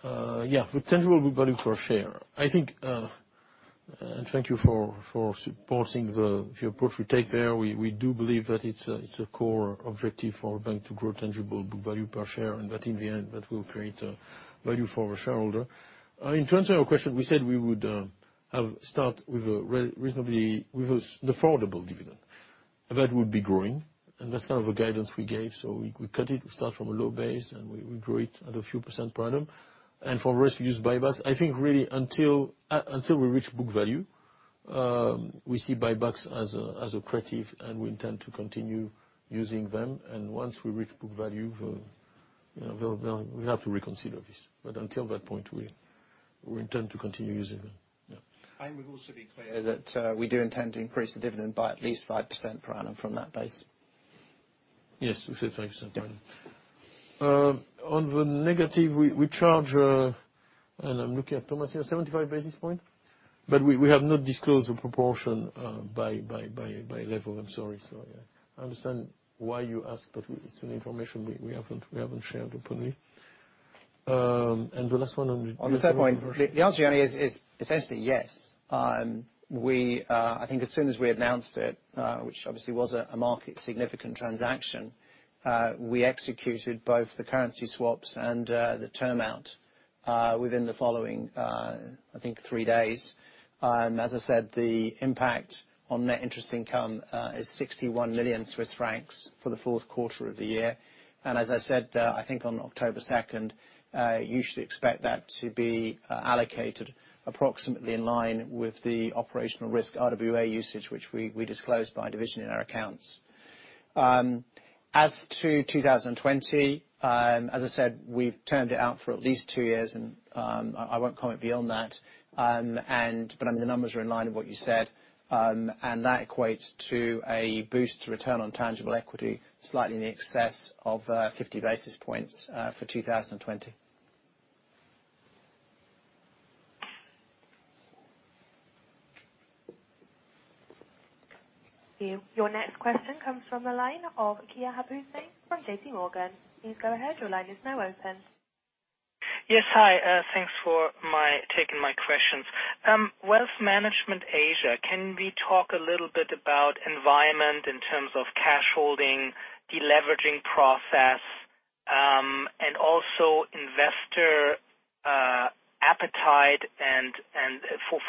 Yeah, for tangible book value per share, and thank you for supporting the approach we take there. We do believe that it's a core objective for our bank to grow tangible book value per share, and that in the end, that will create value for our shareholder. In terms of your question, we said we would start with an affordable dividend that would be growing, and that's the kind of guidance we gave. We cut it, start from a low base, and we grow it at a few % per annum. For the rest, we use buybacks. I think really until we reach book value, we see buybacks as accretive, and we intend to continue using them. Once we reach book value, we have to reconsider this. Until that point, we intend to continue using them. Yeah. I think we've also been clear that we do intend to increase the dividend by at least 5% per annum from that base. Yes, we said 5% per annum. On the negative, we charge, and I'm looking at Thomas here, 75 basis points, but we have not disclosed the proportion by level. I'm sorry. I understand why you ask, but it's an information we haven't shared openly. On the third one, the answer, Rene, is essentially yes. I think as soon as we announced it, which obviously was a market significant transaction, we executed both the currency swaps and the term out within the following, I think, three days. As I said, the impact on net interest income is 61 million Swiss francs for the fourth quarter of the year. As I said, I think on October 2nd, you should expect that to be allocated approximately in line with the operational risk RWA usage, which we disclosed by division in our accounts. As to 2020, as I said, we've turned it out for at least two years, I won't comment beyond that. The numbers are in line with what you said. That equates to a boost to return on tangible equity slightly in excess of 50 basis points for 2020. Your next question comes from the line of Kian Abouhossein from JPMorgan. Please go ahead, your line is now open. Yes, hi. Thanks for taking my questions. Wealth Management Asia, can we talk a little bit about environment in terms of cash holding, deleveraging process, and also investor appetite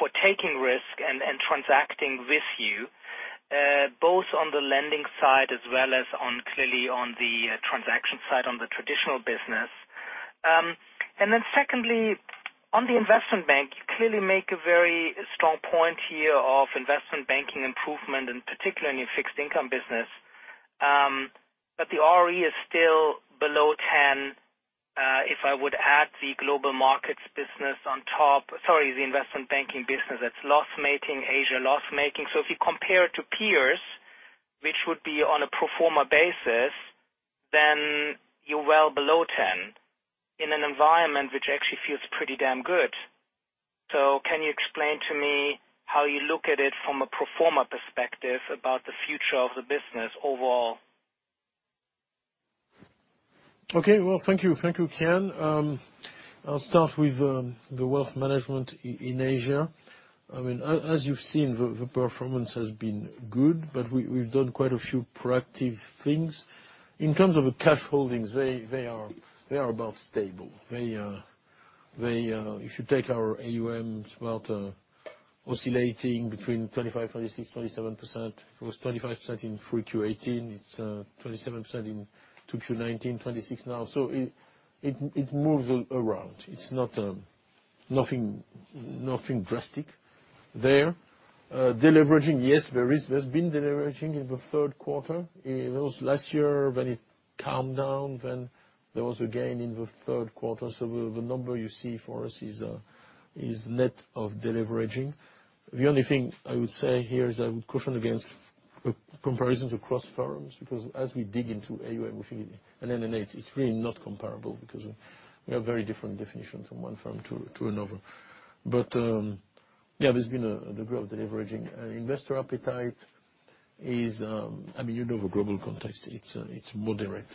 for taking risk and transacting with you, both on the lending side as well as clearly on the transaction side, on the traditional business? Secondly, on the Investment Bank, you clearly make a very strong point here of Investment Banking improvement, particularly in Fixed Income business. The ROE is still below 10%, if I would add the Global Markets business on top. Sorry, the Investment Banking business that's loss-making, Asia loss-making. If you compare it to peers, which would be on a pro forma basis, you're well below 10% in an environment which actually feels pretty damn good. Can you explain to me how you look at it from a pro forma perspective about the future of the business overall? Okay. Well, thank you, Kian. I'll start with the wealth management in Asia. As you've seen, the performance has been good, we've done quite a few proactive things. In terms of the cash holdings, they are about stable. If you take our AUM, it's about oscillating between 25%, 26%, 27%. It was 25% in 3Q18, it's 27% in 2Q19, 26% now. It moves around. It's nothing drastic there. Deleveraging, yes, there's been deleveraging in the third quarter. It was last year when it calmed down, there was a gain in the third quarter. The number you see for us is net of deleveraging. The only thing I would say here is I would caution against comparisons across firms, because as we dig into AUM, we feel it's really not comparable because we have very different definitions from one firm to another. Yeah, there's been a degree of deleveraging. Investor appetite is, you know the global context, it's moderate.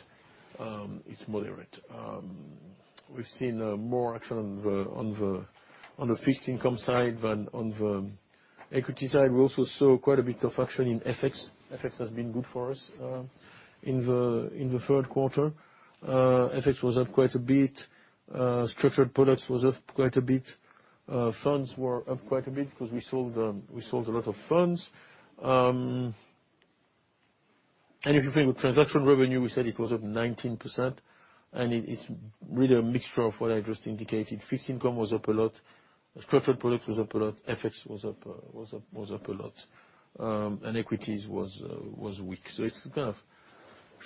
We've seen more action on the fixed income side than on the equity side. We also saw quite a bit of action in FX. FX has been good for us in the third quarter. FX was up quite a bit. Structured products was up quite a bit. Funds were up quite a bit because we sold a lot of funds. If you think of transaction revenue, we said it was up 19%, and it's really a mixture of what I just indicated. Fixed income was up a lot. Structured products was up a lot. FX was up a lot. Equities was weak. It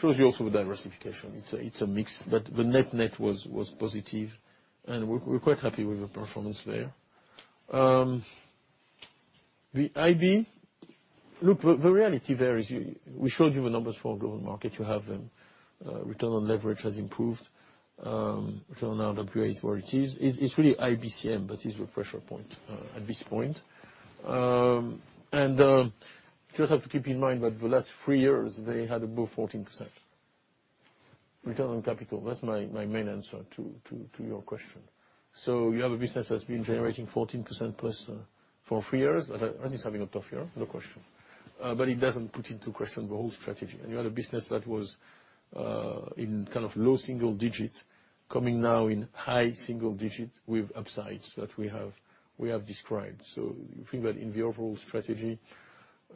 shows you also the diversification. It's a mix. The net was positive, and we're quite happy with the performance there. The IB, look, the reality there is we showed you the numbers for our global market. You have them. Return on leverage has improved. Return on RWA is where it is. It's really IBCM that is the pressure point at this point. You just have to keep in mind that the last three years, they had above 14% return on capital. That's my main answer to your question. You have a business that's been generating 14% plus for three years, and it's having a tough year, no question. It doesn't put into question the whole strategy. You had a business that was in low single digit, coming now in high single digit with upsides that we have described. You think that in the overall strategy,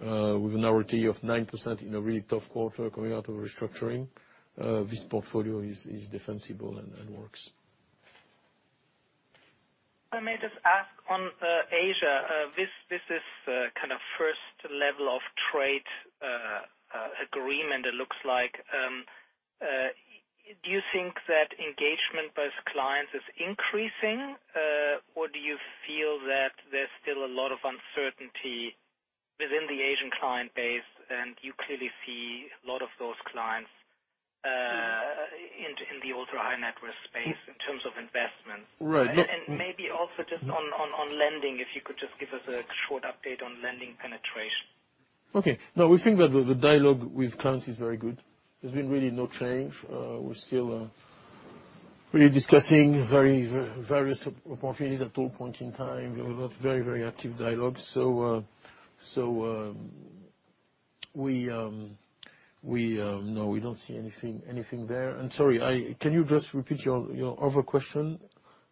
with an ROTE of 9% in a really tough quarter coming out of restructuring, this portfolio is defensible and works. If I may just ask on Asia, this is first level of trade agreement, it looks like. Do you think that engagement by clients is increasing? Do you feel that there's still a lot of uncertainty within the Asian client base, and you clearly see a lot of those clients in the ultra-high-net-worth space in terms of investments? Right. Maybe also just on lending, if you could just give us a short update on lending penetration. Okay. No, we think that the dialogue with clients is very good. There's been really no change. We're still really discussing various opportunities at all points in time. We have very active dialogue. No, we don't see anything there. Sorry, can you just repeat your other question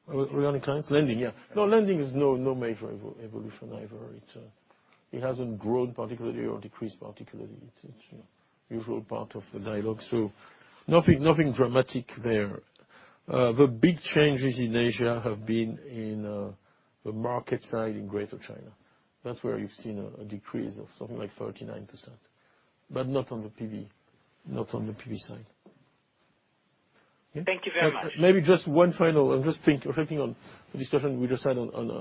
regarding clients? Lending, yeah. No, lending is no major evolution either. It hasn't grown particularly or decreased particularly. It's usual part of the dialogue. So nothing dramatic there. The big changes in Asia have been in the market side in Greater China. That's where you've seen a decrease of something like 39%, but not on the PB side. Thank you very much. Maybe just one final. I'm just reflecting on the discussion we just had on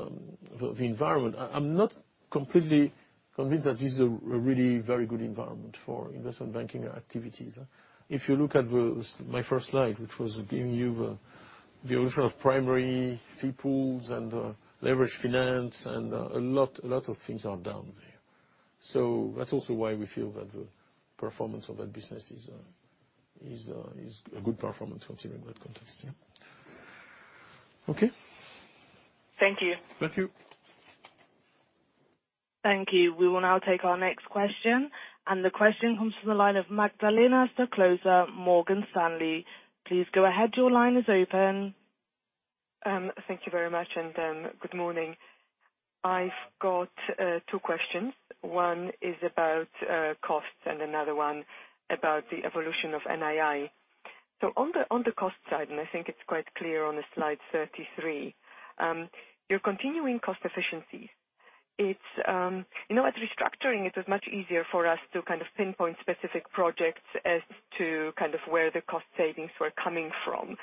the environment. I'm not completely convinced that this is a really very good environment for investment banking activities. If you look at my first slide, which was giving you the evolution of primary fee pools and leveraged finance, a lot of things are down there. That's also why we feel that the performance of that business is a good performance considering that context. Okay? Thank you. Thank you. Thank you. We will now take our next question, the question comes from the line of Magdalena Stoklosa, Morgan Stanley. Please go ahead. Your line is open. Thank you very much, and good morning. I've got two questions. One is about costs and another one about the evolution of NII. On the cost side, and I think it's quite clear on slide 33, your continuing cost efficiencies. At restructuring, it was much easier for us to kind of pinpoint specific projects as to kind of where the cost savings were coming from.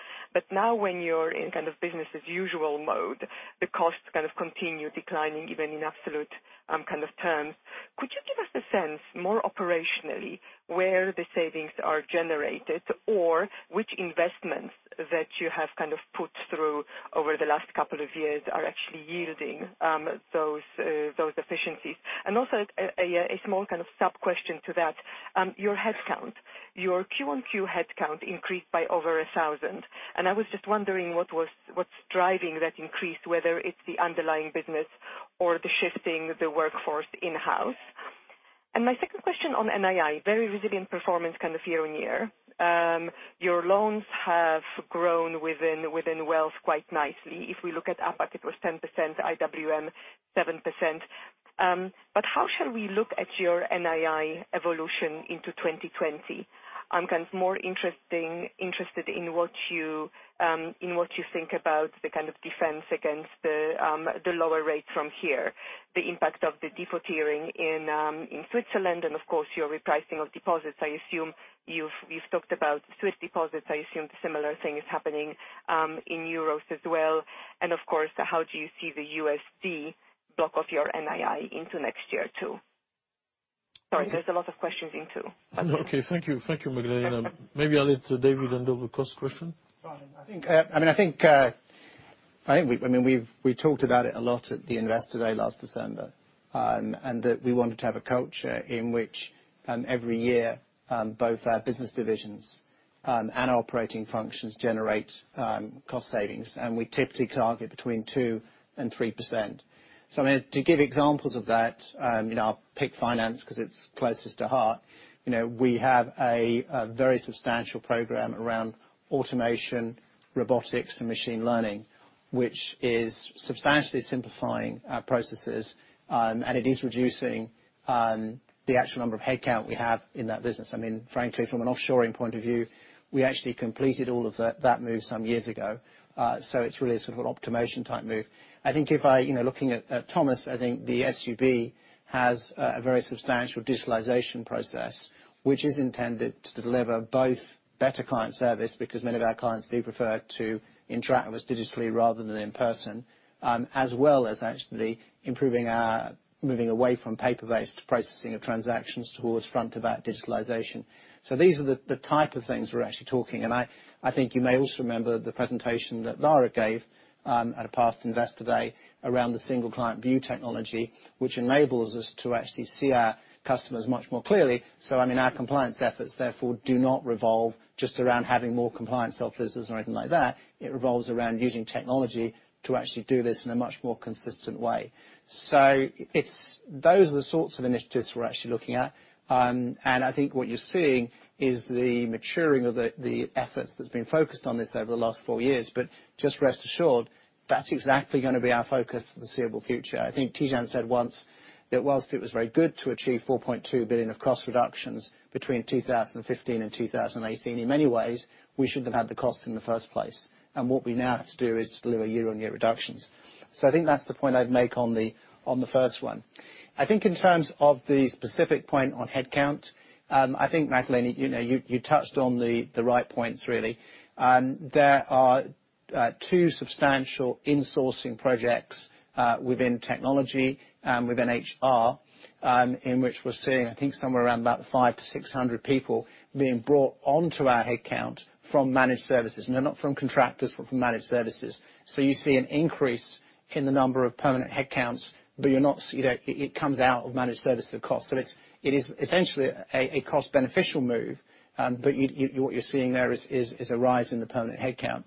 Now when you're in kind of business as usual mode, the costs kind of continue declining even in absolute terms. Could you give us a sense more operationally, where the savings are generated? Which investments that you have put through over the last couple of years are actually yielding those efficiencies? Also, a small sub-question to that. Your headcount. Your Q1Q headcount increased by over 1,000. I was just wondering what's driving that increase, whether it's the underlying business or the shifting the workforce in-house. My second question on NII, very resilient performance year-on-year. Your loans have grown within Wealth quite nicely. If we look at APAC, it was 10%, IWM 7%. How shall we look at your NII evolution into 2020? I'm more interested in what you think about the kind of defense against the lower rates from here, the impact of the tiering in Switzerland and, of course, your repricing of deposits. You've talked about Swiss deposits. I assume the similar thing is happening in euros as well. Of course, how do you see the USD block of your NII into next year, too? Sorry, there's a lot of questions in two. Okay. Thank you, Magdalena. Maybe I'll let David handle the cost question. Fine. I think we talked about it a lot at the Investor Day last December. We wanted to have a culture in which every year, both our business divisions and our operating functions generate cost savings. We typically target between 2% and 3%. To give examples of that, I'll pick finance because it's closest to heart. We have a very substantial program around automation, robotics, and machine learning, which is substantially simplifying our processes. It is reducing the actual number of headcount we have in that business. Frankly, from an offshoring point of view, we actually completed all of that move some years ago. It's really a sort of an automation type move. Looking at Thomas, I think the SUB has a very substantial digitalization process, which is intended to deliver both better client service, because many of our clients do prefer to interact with us digitally rather than in person, as well as actually improving our moving away from paper-based processing of transactions towards front-to-back digitalization. These are the type of things we're actually talking. I think you may also remember the presentation that Lara gave at a past Investor Day around the Single Client View Technology, which enables us to actually see our customers much more clearly. Our compliance efforts, therefore, do not revolve just around having more compliance officers or anything like that. It revolves around using technology to actually do this in a much more consistent way. Those are the sorts of initiatives we're actually looking at. I think what you're seeing is the maturing of the efforts that's been focused on this over the last four years. Just rest assured, that's exactly going to be our focus for the foreseeable future. I think Tidjane said once that whilst it was very good to achieve 4.2 billion of cost reductions between 2015 and 2018, in many ways, we shouldn't have had the cost in the first place. What we now have to do is to deliver year-on-year reductions. I think that's the point I'd make on the first one. I think in terms of the specific point on headcount, I think, Magdalena, you touched on the right points, really. There are two substantial insourcing projects within technology and within HR, in which we're seeing, I think somewhere around about 500 to 600 people being brought onto our headcount from managed services. Not from contractors, but from managed services. You see an increase in the number of permanent headcounts, it comes out of managed service to cost. It is essentially a cost beneficial move. What you're seeing there is a rise in the permanent headcount.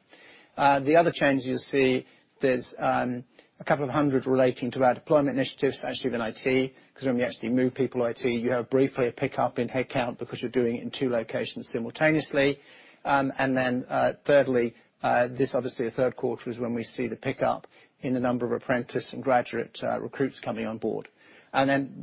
The other change you'll see, there's a couple of 100 relating to our deployment initiatives, actually within IT, because when we actually move people to IT, you have briefly a pickup in headcount because you're doing it in two locations simultaneously. Thirdly, this obviously the third quarter is when we see the pickup in the number of apprentice and graduate recruits coming on board.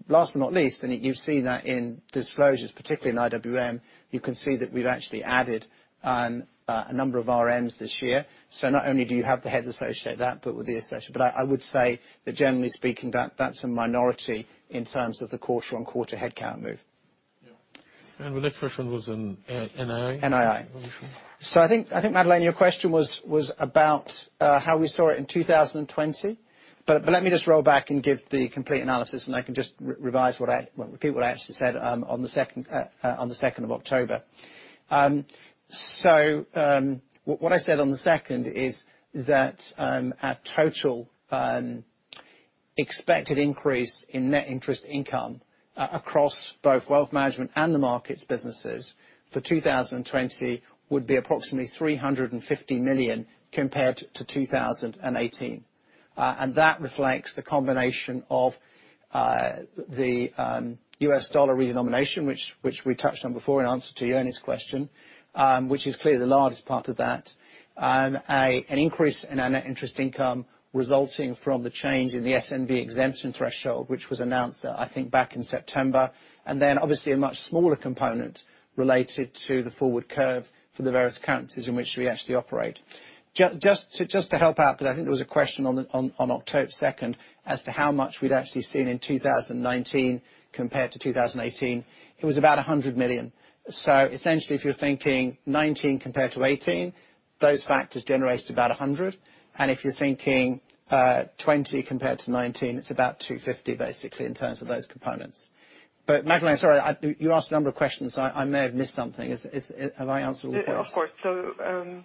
Last but not least, you've seen that in disclosures, particularly in IWM, you can see that we've actually added a number of RMs this year. Not only do you have the heads associated with that, but with the association. I would say that generally speaking, that's a minority in terms of the quarter-on-quarter headcount move. The next question was in NII? NII. Let me see. I think, Magdalena, your question was about how we saw it in 2020. Let me just roll back and give the complete analysis, and I can just repeat what I actually said on the 2nd of October. What I said on the 2nd is that our total expected increase in net interest income across both wealth management and the markets businesses for 2020 would be approximately 350 million compared to 2018. That reflects the combination of the U.S. dollar redenomination, which we touched on before in answer to Rene's question, which is clearly the largest part of that. An increase in our net interest income resulting from the change in the SUB exemption threshold, which was announced, I think back in September, obviously a much smaller component related to the forward curve for the various countries in which we actually operate. Just to help out, because I think there was a question on October 2nd as to how much we'd actually seen in 2019 compared to 2018. It was about 100 million. Essentially, if you're thinking 2019 compared to 2018, those factors generated about 100 million. If you're thinking 2020 compared to 2019, it's about 250 million, basically, in terms of those components. Magdalena, sorry, you asked a number of questions. I may have missed something. Have I answered all four? Of course.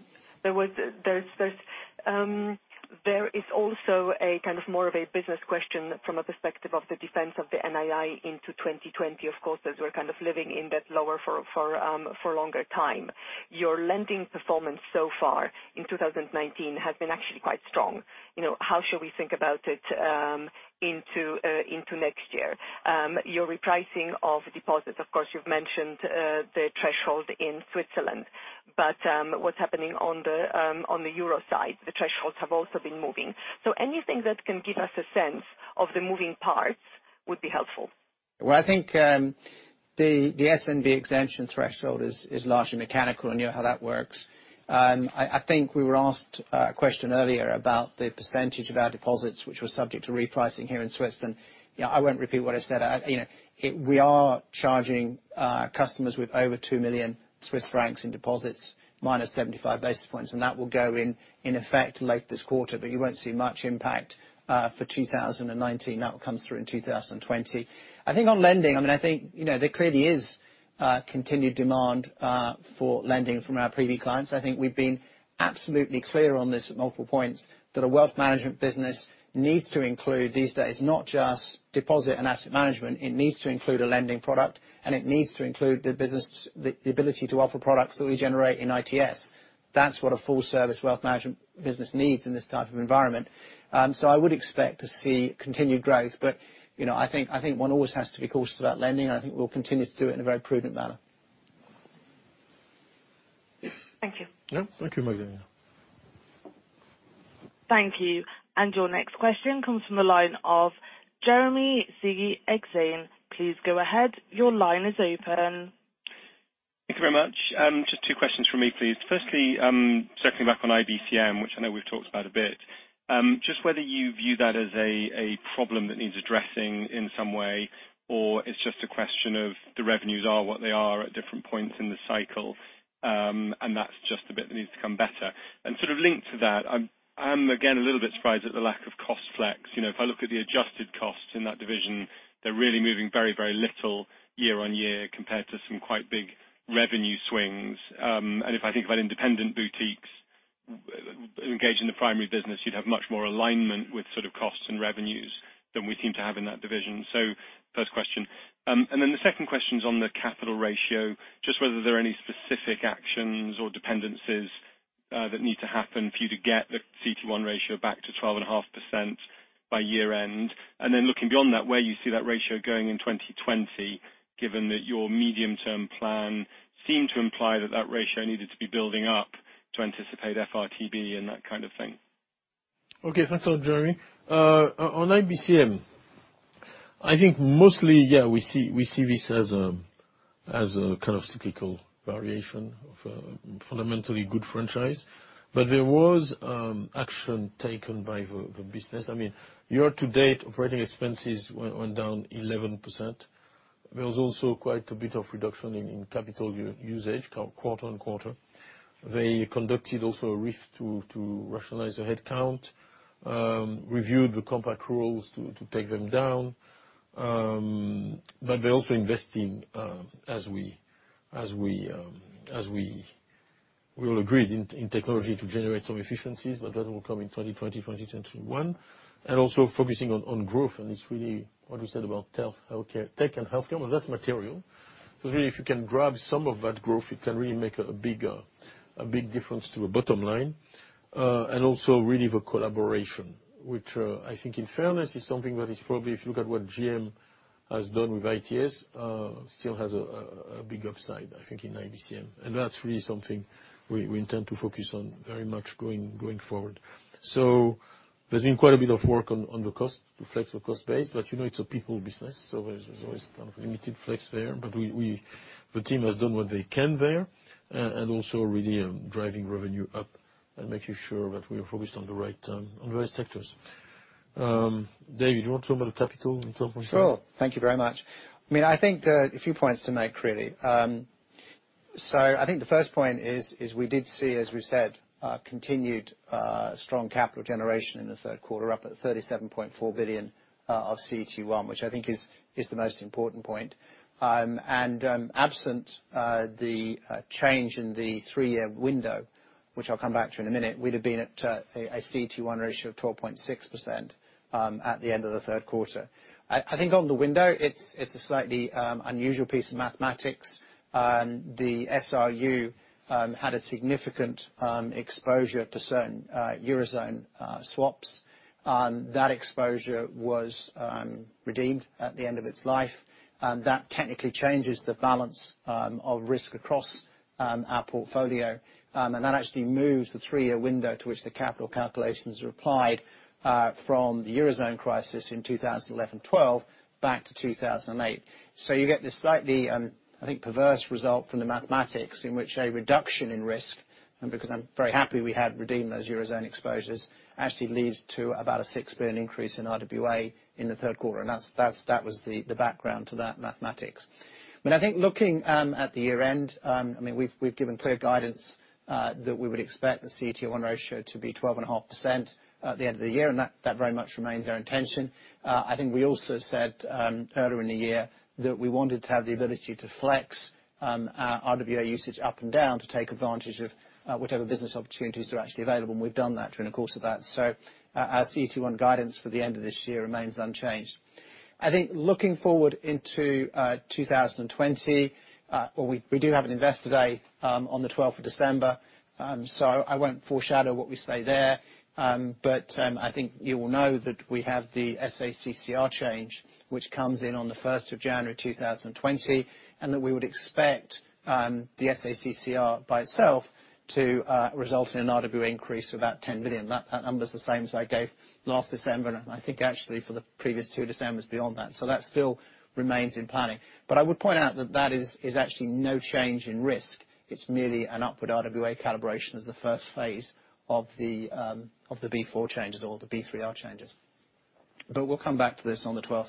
There is also a kind of more of a business question from a perspective of the defense of the NII into 2020, of course, as we're kind of living in that lower for longer time. Your lending performance so far in 2019 has been actually quite strong. How should we think about it into next year? Your repricing of deposits, of course, you've mentioned the threshold in Switzerland, but what's happening on the euro side? The thresholds have also been moving. Anything that can give us a sense of the moving parts would be helpful. Well, I think the SNB exemption threshold is largely mechanical and you know how that works. I think we were asked a question earlier about the percentage of our deposits which were subject to repricing here in Swiss. I won't repeat what I said. We are charging customers with over 2 million Swiss francs in deposits minus 75 basis points, and that will go in effect late this quarter, but you won't see much impact for 2019. That will come through in 2020. I think on lending, there clearly is continued demand for lending from our PB clients. I think we've been absolutely clear on this at multiple points that a wealth management business needs to include these days, not just deposit and asset management. It needs to include a lending product, and it needs to include the ability to offer products that we generate in ITS. That's what a full-service wealth management business needs in this type of environment. I would expect to see continued growth. I think one always has to be cautious about lending, and I think we'll continue to do it in a very prudent manner. Thank you. Yeah. Thank you, Magdalena. Thank you. Your next question comes from the line of Jeremy Sigee, Exane. Please go ahead. Your line is open. Thank you very much. Just two questions from me, please. Circling back on IBCM, which I know we've talked about a bit. Whether you view that as a problem that needs addressing in some way, or it's just a question of the revenues are what they are at different points in the cycle, and that's just a bit that needs to come better. Sort of linked to that, I'm again, a little bit surprised at the lack of cost flex. If I look at the adjusted costs in that division, they're really moving very little year-on-year compared to some quite big revenue swings. If I think about independent boutiques engaged in the primary business, you'd have much more alignment with sort of costs and revenues than we seem to have in that division. First question. The second question is on the capital ratio, just whether there are any specific actions or dependencies that need to happen for you to get the CET1 ratio back to 12.5% by year end. Looking beyond that, where you see that ratio going in 2020, given that your medium-term plan seemed to imply that that ratio needed to be building up to anticipate FRTB and that kind of thing. Okay. Thanks a lot, Jeremy. On IBCM, I think mostly, yeah, we see this as a kind of cyclical variation of a fundamentally good franchise. There was action taken by the business. Year to date, operating expenses went down 11%. There was also quite a bit of reduction in capital usage quarter-on-quarter. They conducted also a RIF to rationalize the headcount, reviewed the compact rules to take them down. They also invest in, as we all agreed in technology to generate some efficiencies. That will come in 2020, 2021. Also focusing on growth, and it's really what we said about tech and healthcare, well, that's material. Really, if you can grab some of that growth, it can really make a big difference to the bottom line. Also really the collaboration, which I think in fairness is something that is probably, if you look at what GM has done with ITS, still has a big upside, I think, in IBCM. That's really something we intend to focus on very much going forward. There's been quite a bit of work on the cost, to flex the cost base, but you know it's a people business, so there's always kind of limited flex there. The team has done what they can there, and also really driving revenue up and making sure that we are focused on the right sectors. David, you want to talk about the capital from point three? Sure. Thank you very much. I think there are a few points to make, really. I think the first point is we did see, as we said, continued strong capital generation in the third quarter, up at 37.4 billion of CET1, which I think is the most important point. Absent the change in the three-year window, which I'll come back to in a minute, we'd have been at a CET1 ratio of 12.6% at the end of the third quarter. I think on the window, it's a slightly unusual piece of mathematics. The SRU had a significant exposure to certain Eurozone swaps. That exposure was redeemed at the end of its life. That technically changes the balance of risk across our portfolio. That actually moves the three-year window to which the capital calculations are applied from the Eurozone crisis in 2011-12 back to 2008. You get this slightly, I think, perverse result from the mathematics in which a reduction in risk, and because I'm very happy we had redeemed those Eurozone exposures, actually leads to about a 6 billion increase in RWA in the third quarter, and that was the background to that mathematics. I think looking at the year-end, we've given clear guidance that we would expect the CET1 ratio to be 12.5% at the end of the year, and that very much remains our intention. I think we also said earlier in the year that we wanted to have the ability to flex our RWA usage up and down to take advantage of whatever business opportunities are actually available, and we've done that during the course of that. Our CET1 guidance for the end of this year remains unchanged. I think looking forward into 2020, we do have an investor day on the 12th of December, so I won't foreshadow what we say there. I think you will know that we have the SA-CCR change, which comes in on the 1st of January 2020, and that we would expect the SA-CCR by itself to result in an RWA increase of about 10 billion. That number's the same as I gave last December, and I think actually for the previous two Decembers beyond that. That still remains in planning. I would point out that that is actually no change in risk. It's merely an upward RWA calibration as the first phase of the Basel IV changes or the Basel III reforms changes. We'll come back to this on the 12th.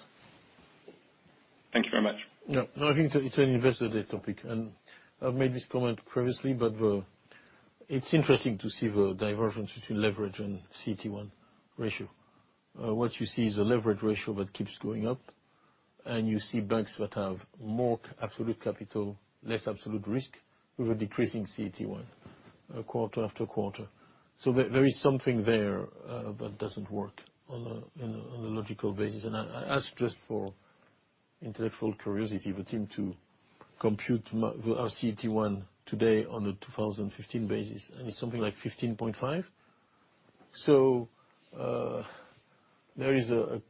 Thank you very much. No, I think it's an investor day topic, and I've made this comment previously, but it's interesting to see the divergence between leverage and CET1 ratio. What you see is a leverage ratio that keeps going up, and you see banks that have more absolute capital, less absolute risk with a decreasing CET1, quarter after quarter. There is something there that doesn't work on a logical basis, and I ask just for intellectual curiosity, the team to compute our CET1 today on the 2015 basis, and it's something like 15.5. There is a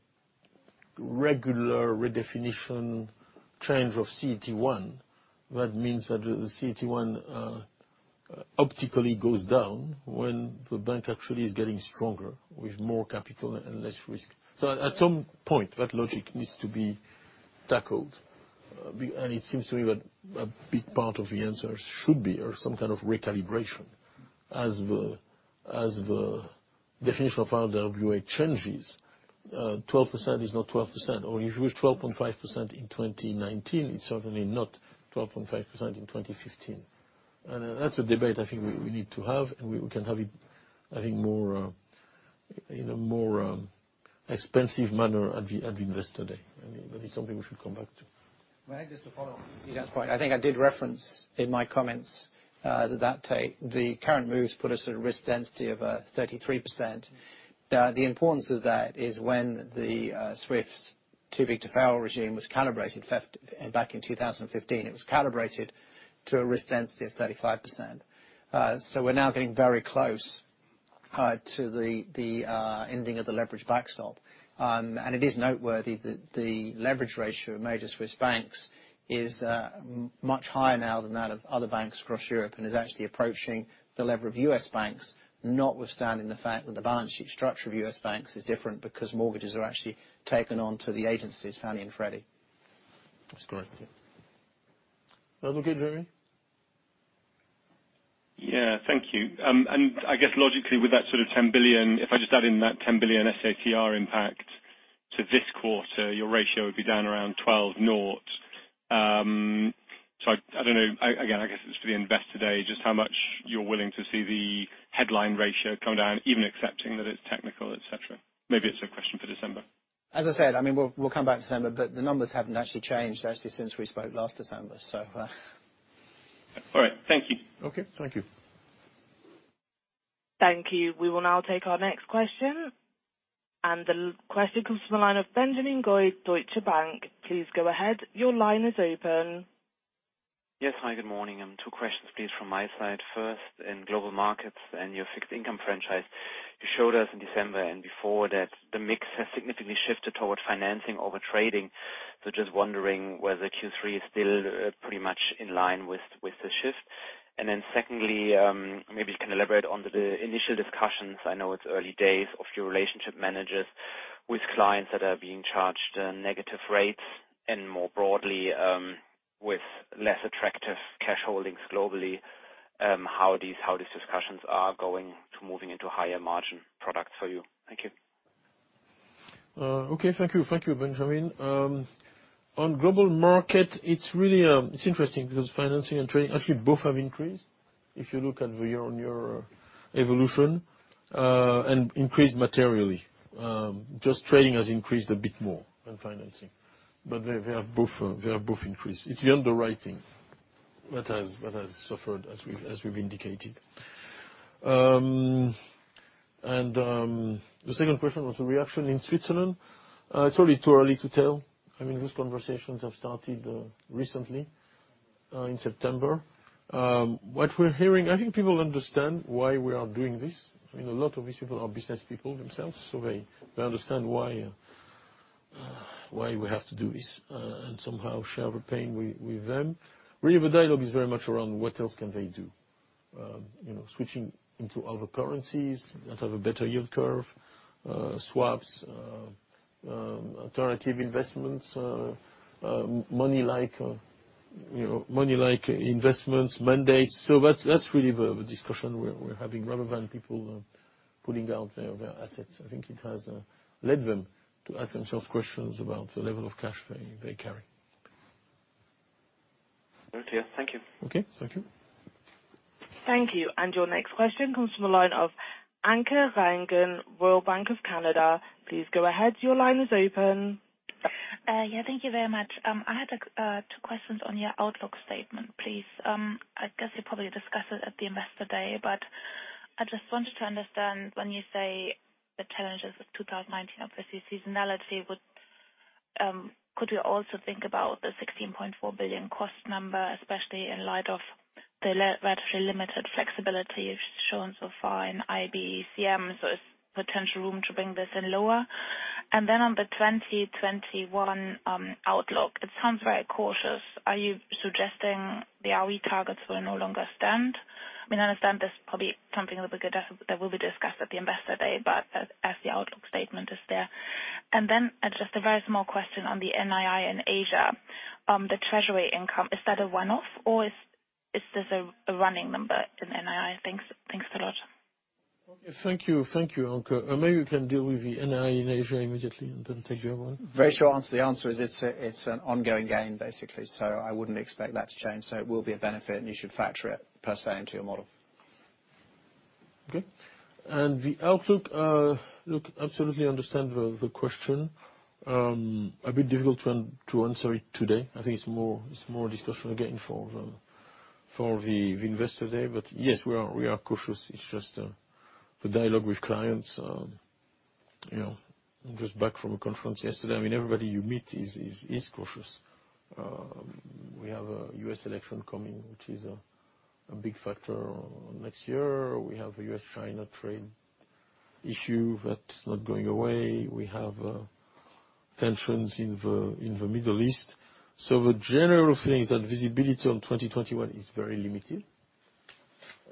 regular redefinition change of CET1. That means that the CET1 optically goes down when the bank actually is getting stronger with more capital and less risk. At some point, that logic needs to be tackled. It seems to me that a big part of the answer should be or some kind of recalibration as the definition of RWA changes. 12% is not 12%, or if it was 12.5% in 2019, it is certainly not 12.5% in 2015. That is a debate I think we need to have, and we can have it in a more expansive manner at the investor day. I think that is something we should come back to. May I just follow on to that point? I think I did reference in my comments that the current moves put us at a risk density of 33%. The importance of that is when the Swiss too-big-to-fail regime was calibrated back in 2015. It was calibrated to a risk density of 35%. We're now getting very close to the ending of the leverage backstop. It is noteworthy that the leverage ratio of major Swiss banks is much higher now than that of other banks across Europe and is actually approaching the level of U.S. banks, notwithstanding the fact that the balance sheet structure of U.S. banks is different because mortgages are actually taken on to the agencies, Fannie and Freddie. That's correct. Okay, Jeremy? Yeah. Thank you. I guess logically with that sort of 10 billion, if I just add in that 10 billion SA-CCR impact to this quarter, your ratio would be down around 12.0. I don't know, again, I guess it's for the investor day, just how much you're willing to see the headline ratio come down, even accepting that it's technical, et cetera. Maybe it's a question for December. As I said, we'll come back in December, but the numbers haven't actually changed since we spoke last December. All right. Thank you. Okay. Thank you. Thank you. We will now take our next question, the question comes from the line of Benjamin Goy, Deutsche Bank. Please go ahead. Your line is open. Yes. Hi, good morning. Two questions, please, from my side. First, in Global Markets and your Fixed Income franchise, you showed us in December and before that the mix has significantly shifted toward financing over trading. Just wondering whether Q3 is still pretty much in line with the shift. Secondly, maybe you can elaborate on the initial discussions, I know it's early days, of your relationship managers with clients that are being charged negative rates and more broadly, with less attractive cash holdings globally how these discussions are going to moving into higher margin products for you. Thank you. Okay. Thank you, Benjamin. On global market, it's interesting because financing and trading actually both have increased. If you look on your evolution, increased materially. Just trading has increased a bit more than financing. They have both increased. It's the underwriting that has suffered as we've indicated. The second question was the reaction in Switzerland. It's really too early to tell. Those conversations have started recently, in September. What we're hearing, I think people understand why we are doing this. A lot of these people are business people themselves, so they understand why we have to do this, and somehow share the pain with them. Really, the dialogue is very much around what else can they do. Switching into other currencies that have a better yield curve, swaps, alternative investments, money-like investments, mandates. That's really the discussion we're having rather than people pulling out their assets. I think it has led them to ask themselves questions about the level of cash they carry. Very clear. Thank you. Okay. Thank you. Thank you. Your next question comes from the line of Anke Reingen, Royal Bank of Canada. Please go ahead, your line is open. Yeah, thank you very much. I had two questions on your outlook statement, please. I guess you probably discussed it at the investor day. I just wanted to understand when you say the challenges of 2019 are obviously seasonality, could you also think about the 16.4 billion cost number, especially in light of the relatively limited flexibility shown so far in IBCM? Is potential room to bring this in lower? On the 2021 outlook, it sounds very cautious. Are you suggesting the ROE targets will no longer stand? I understand that's probably something that will be discussed at the investor day, as the outlook statement is there. Just a very small question on the NII in Asia. The treasury income, is that a one-off or is this a running number in NII? Thanks a lot. Okay, thank you, Anke. Maybe we can deal with the NII in Asia immediately, it doesn't take you long. Very short answer. The answer is it's an ongoing gain, basically. I wouldn't expect that to change. It will be a benefit, and you should factor it per se into your model. Okay. The outlook, look, absolutely understand the question. A bit difficult to answer it today. I think it's more a discussion again for the investor day. Yes, we are cautious. It's just the dialogue with clients. I'm just back from a conference yesterday. Everybody you meet is cautious. We have a U.S. election coming, which is a big factor next year. We have a U.S.-China trade issue that's not going away. We have tensions in the Middle East. The general feeling is that visibility on 2021 is very limited.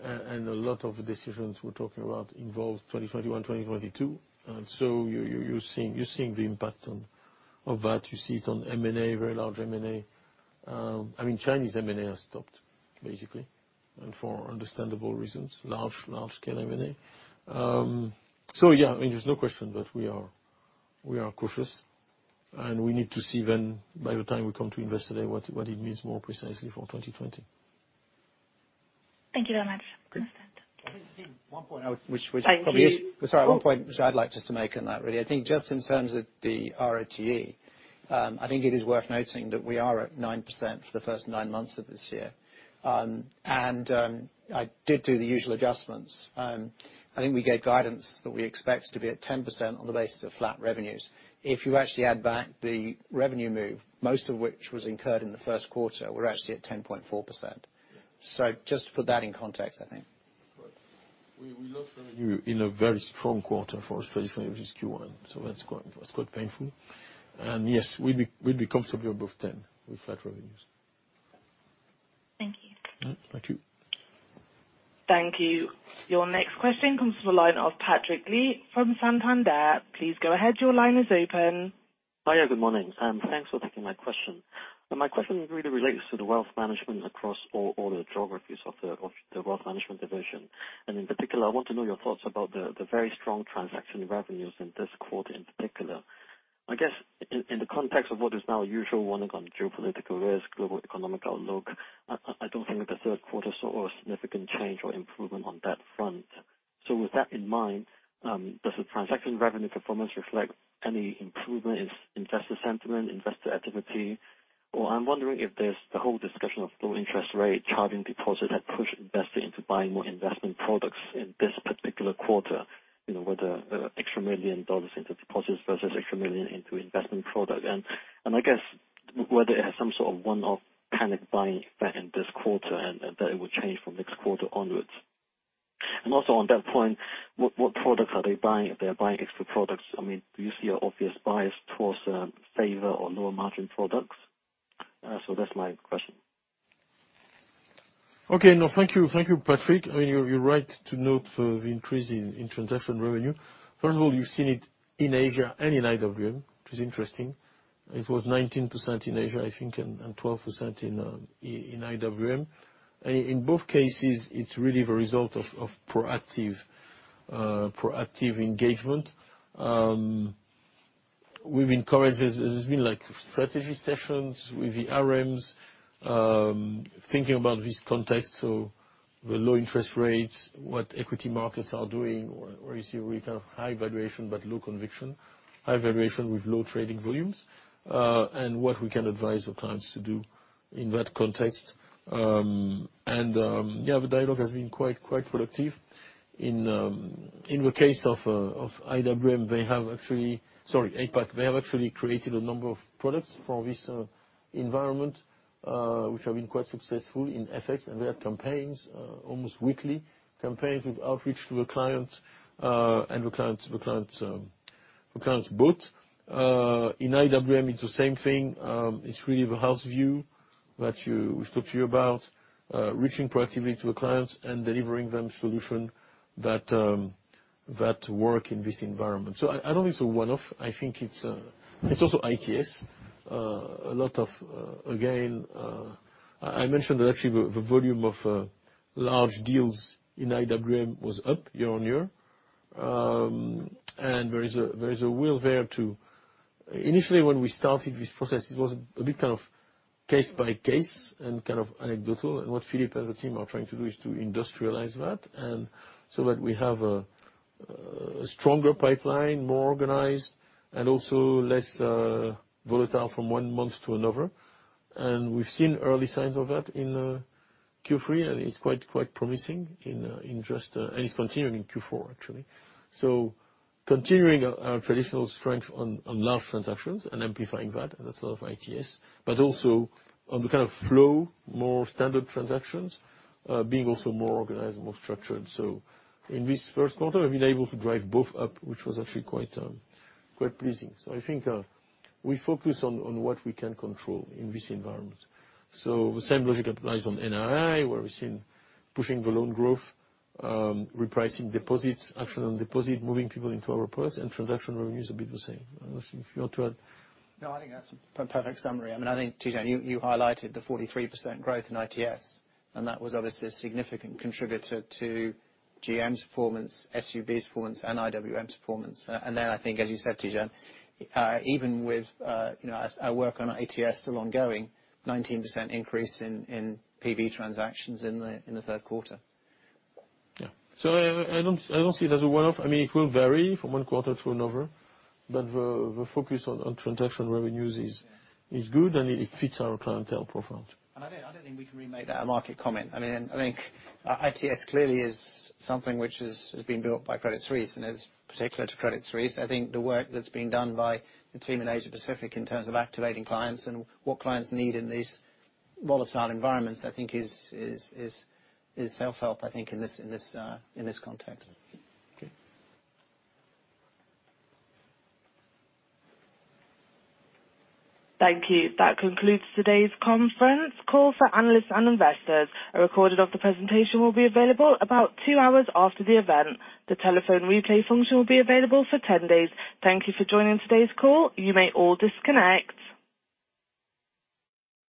A lot of decisions we're talking about involve 2021, 2022. You're seeing the impact of that. You see it on M&A, very large M&A. Chinese M&A has stopped, basically, and for understandable reasons, large scale M&A. Yeah, there's no question that we are cautious, and we need to see then by the time we come to Investor Day what it means more precisely for 2020. Thank you very much. Understand. One point which I'd like just to make on that, really. I think just in terms of the ROTE, I think it is worth noting that we are at 9% for the first nine months of this year. I did do the usual adjustments. I think we gave guidance that we expect to be at 10% on the basis of flat revenues. If you actually add back the revenue move, most of which was incurred in the first quarter, we're actually at 10.4%. Just to put that in context, I think. Right. We lost revenue in a very strong quarter for us, 2020 Q1. That's quite painful. Yes, we'll be comfortably above 10 with flat revenues. Thank you. Thank you. Thank you. Your next question comes from the line of Patrick Lee from Santander. Please go ahead, your line is open. Hi, good morning. Thanks for taking my question. My question really relates to the wealth management across all the geographies of the wealth management division. In particular, I want to know your thoughts about the very strong transaction revenues in this quarter in particular. I guess in the context of what is now usual, one on geopolitical risk, global economic outlook, I don't think that the third quarter saw a significant change or improvement on that front. With that in mind, does the transaction revenue performance reflect any improvement in investor sentiment, investor activity, or I'm wondering if there's the whole discussion of low interest rate charging deposits that push investors into buying more investment products in this particular quarter, whether extra CHF 1 million into deposits versus extra 1 million into investment product? I guess whether it has some sort of one-off panic buying effect in this quarter and that it would change from next quarter onwards. Also on that point, what products are they buying if they are buying extra products? Do you see an obvious bias towards favor or lower margin products? That's my question. Thank you, Patrick. You're right to note the increase in transaction revenue. First of all, you've seen it in Asia and in IWM, which is interesting. It was 19% in Asia, I think, and 12% in IWM. In both cases, it's really the result of proactive engagement. We've encouraged this. There's been strategy sessions with the RMs, thinking about this context, the low interest rates, what equity markets are doing, where you see really kind of high valuation but low conviction, high valuation with low trading volumes, and what we can advise the clients to do in that context. Yeah, the dialogue has been quite productive. In the case of IWM, they have actually Sorry, APAC, they have actually created a number of products for this environment, which have been quite successful in FX, and we have campaigns, almost weekly, campaigns with outreach to the clients and the client's book. In IWM, it's the same thing. It's really the house view that we've talked to you about, reaching proactively to the clients and delivering them solution that work in this environment. I don't think it's a one-off. I think it's also ITS. Again, I mentioned that actually the volume of large deals in IWM was up year-over-year. Initially, when we started this process, it was a bit kind of case by case and kind of anecdotal, and what Philippe and the team are trying to do is to industrialize that, so that we have a stronger pipeline, more organized, and also less volatile from one month to another. We've seen early signs of that in Q3, and it's quite promising, and it's continuing in Q4, actually. Continuing our traditional strength on large transactions and amplifying that as a sort of ITS, but also on the kind of flow, more standard transactions, being also more organized, more structured. In this first quarter, we've been able to drive both up, which was actually quite pleasing. I think we focus on what we can control in this environment. The same logic applies on NII, where we've seen pushing the loan growth, repricing deposits, action on deposit, moving people into our products and transaction revenue is a bit the same. I don't know if you want to add. No, I think that's a perfect summary. I think, Tidjane, you highlighted the 43% growth in ITS, and that was obviously a significant contributor to GM's performance, SUB's performance, and IWM's performance. Then, I think, as you said, Tidjane, even with our work on our ATS still ongoing, 19% increase in PB transactions in the third quarter. Yeah. I don't see it as a one-off. It will vary from one quarter to another, but the focus on transaction revenues is good, and it fits our clientele profile. I don't think we can really make that a market comment. ITS clearly is something which has been built by Credit Suisse, and it's particular to Credit Suisse. I think the work that's being done by the team in Asia Pacific in terms of activating clients and what clients need in these volatile environments, I think is self-help, I think in this context. Okay. Thank you. That concludes today's conference call for analysts and investors. A recording of the presentation will be available about two hours after the event. The telephone replay function will be available for 10 days. Thank you for joining today's call. You may all disconnect.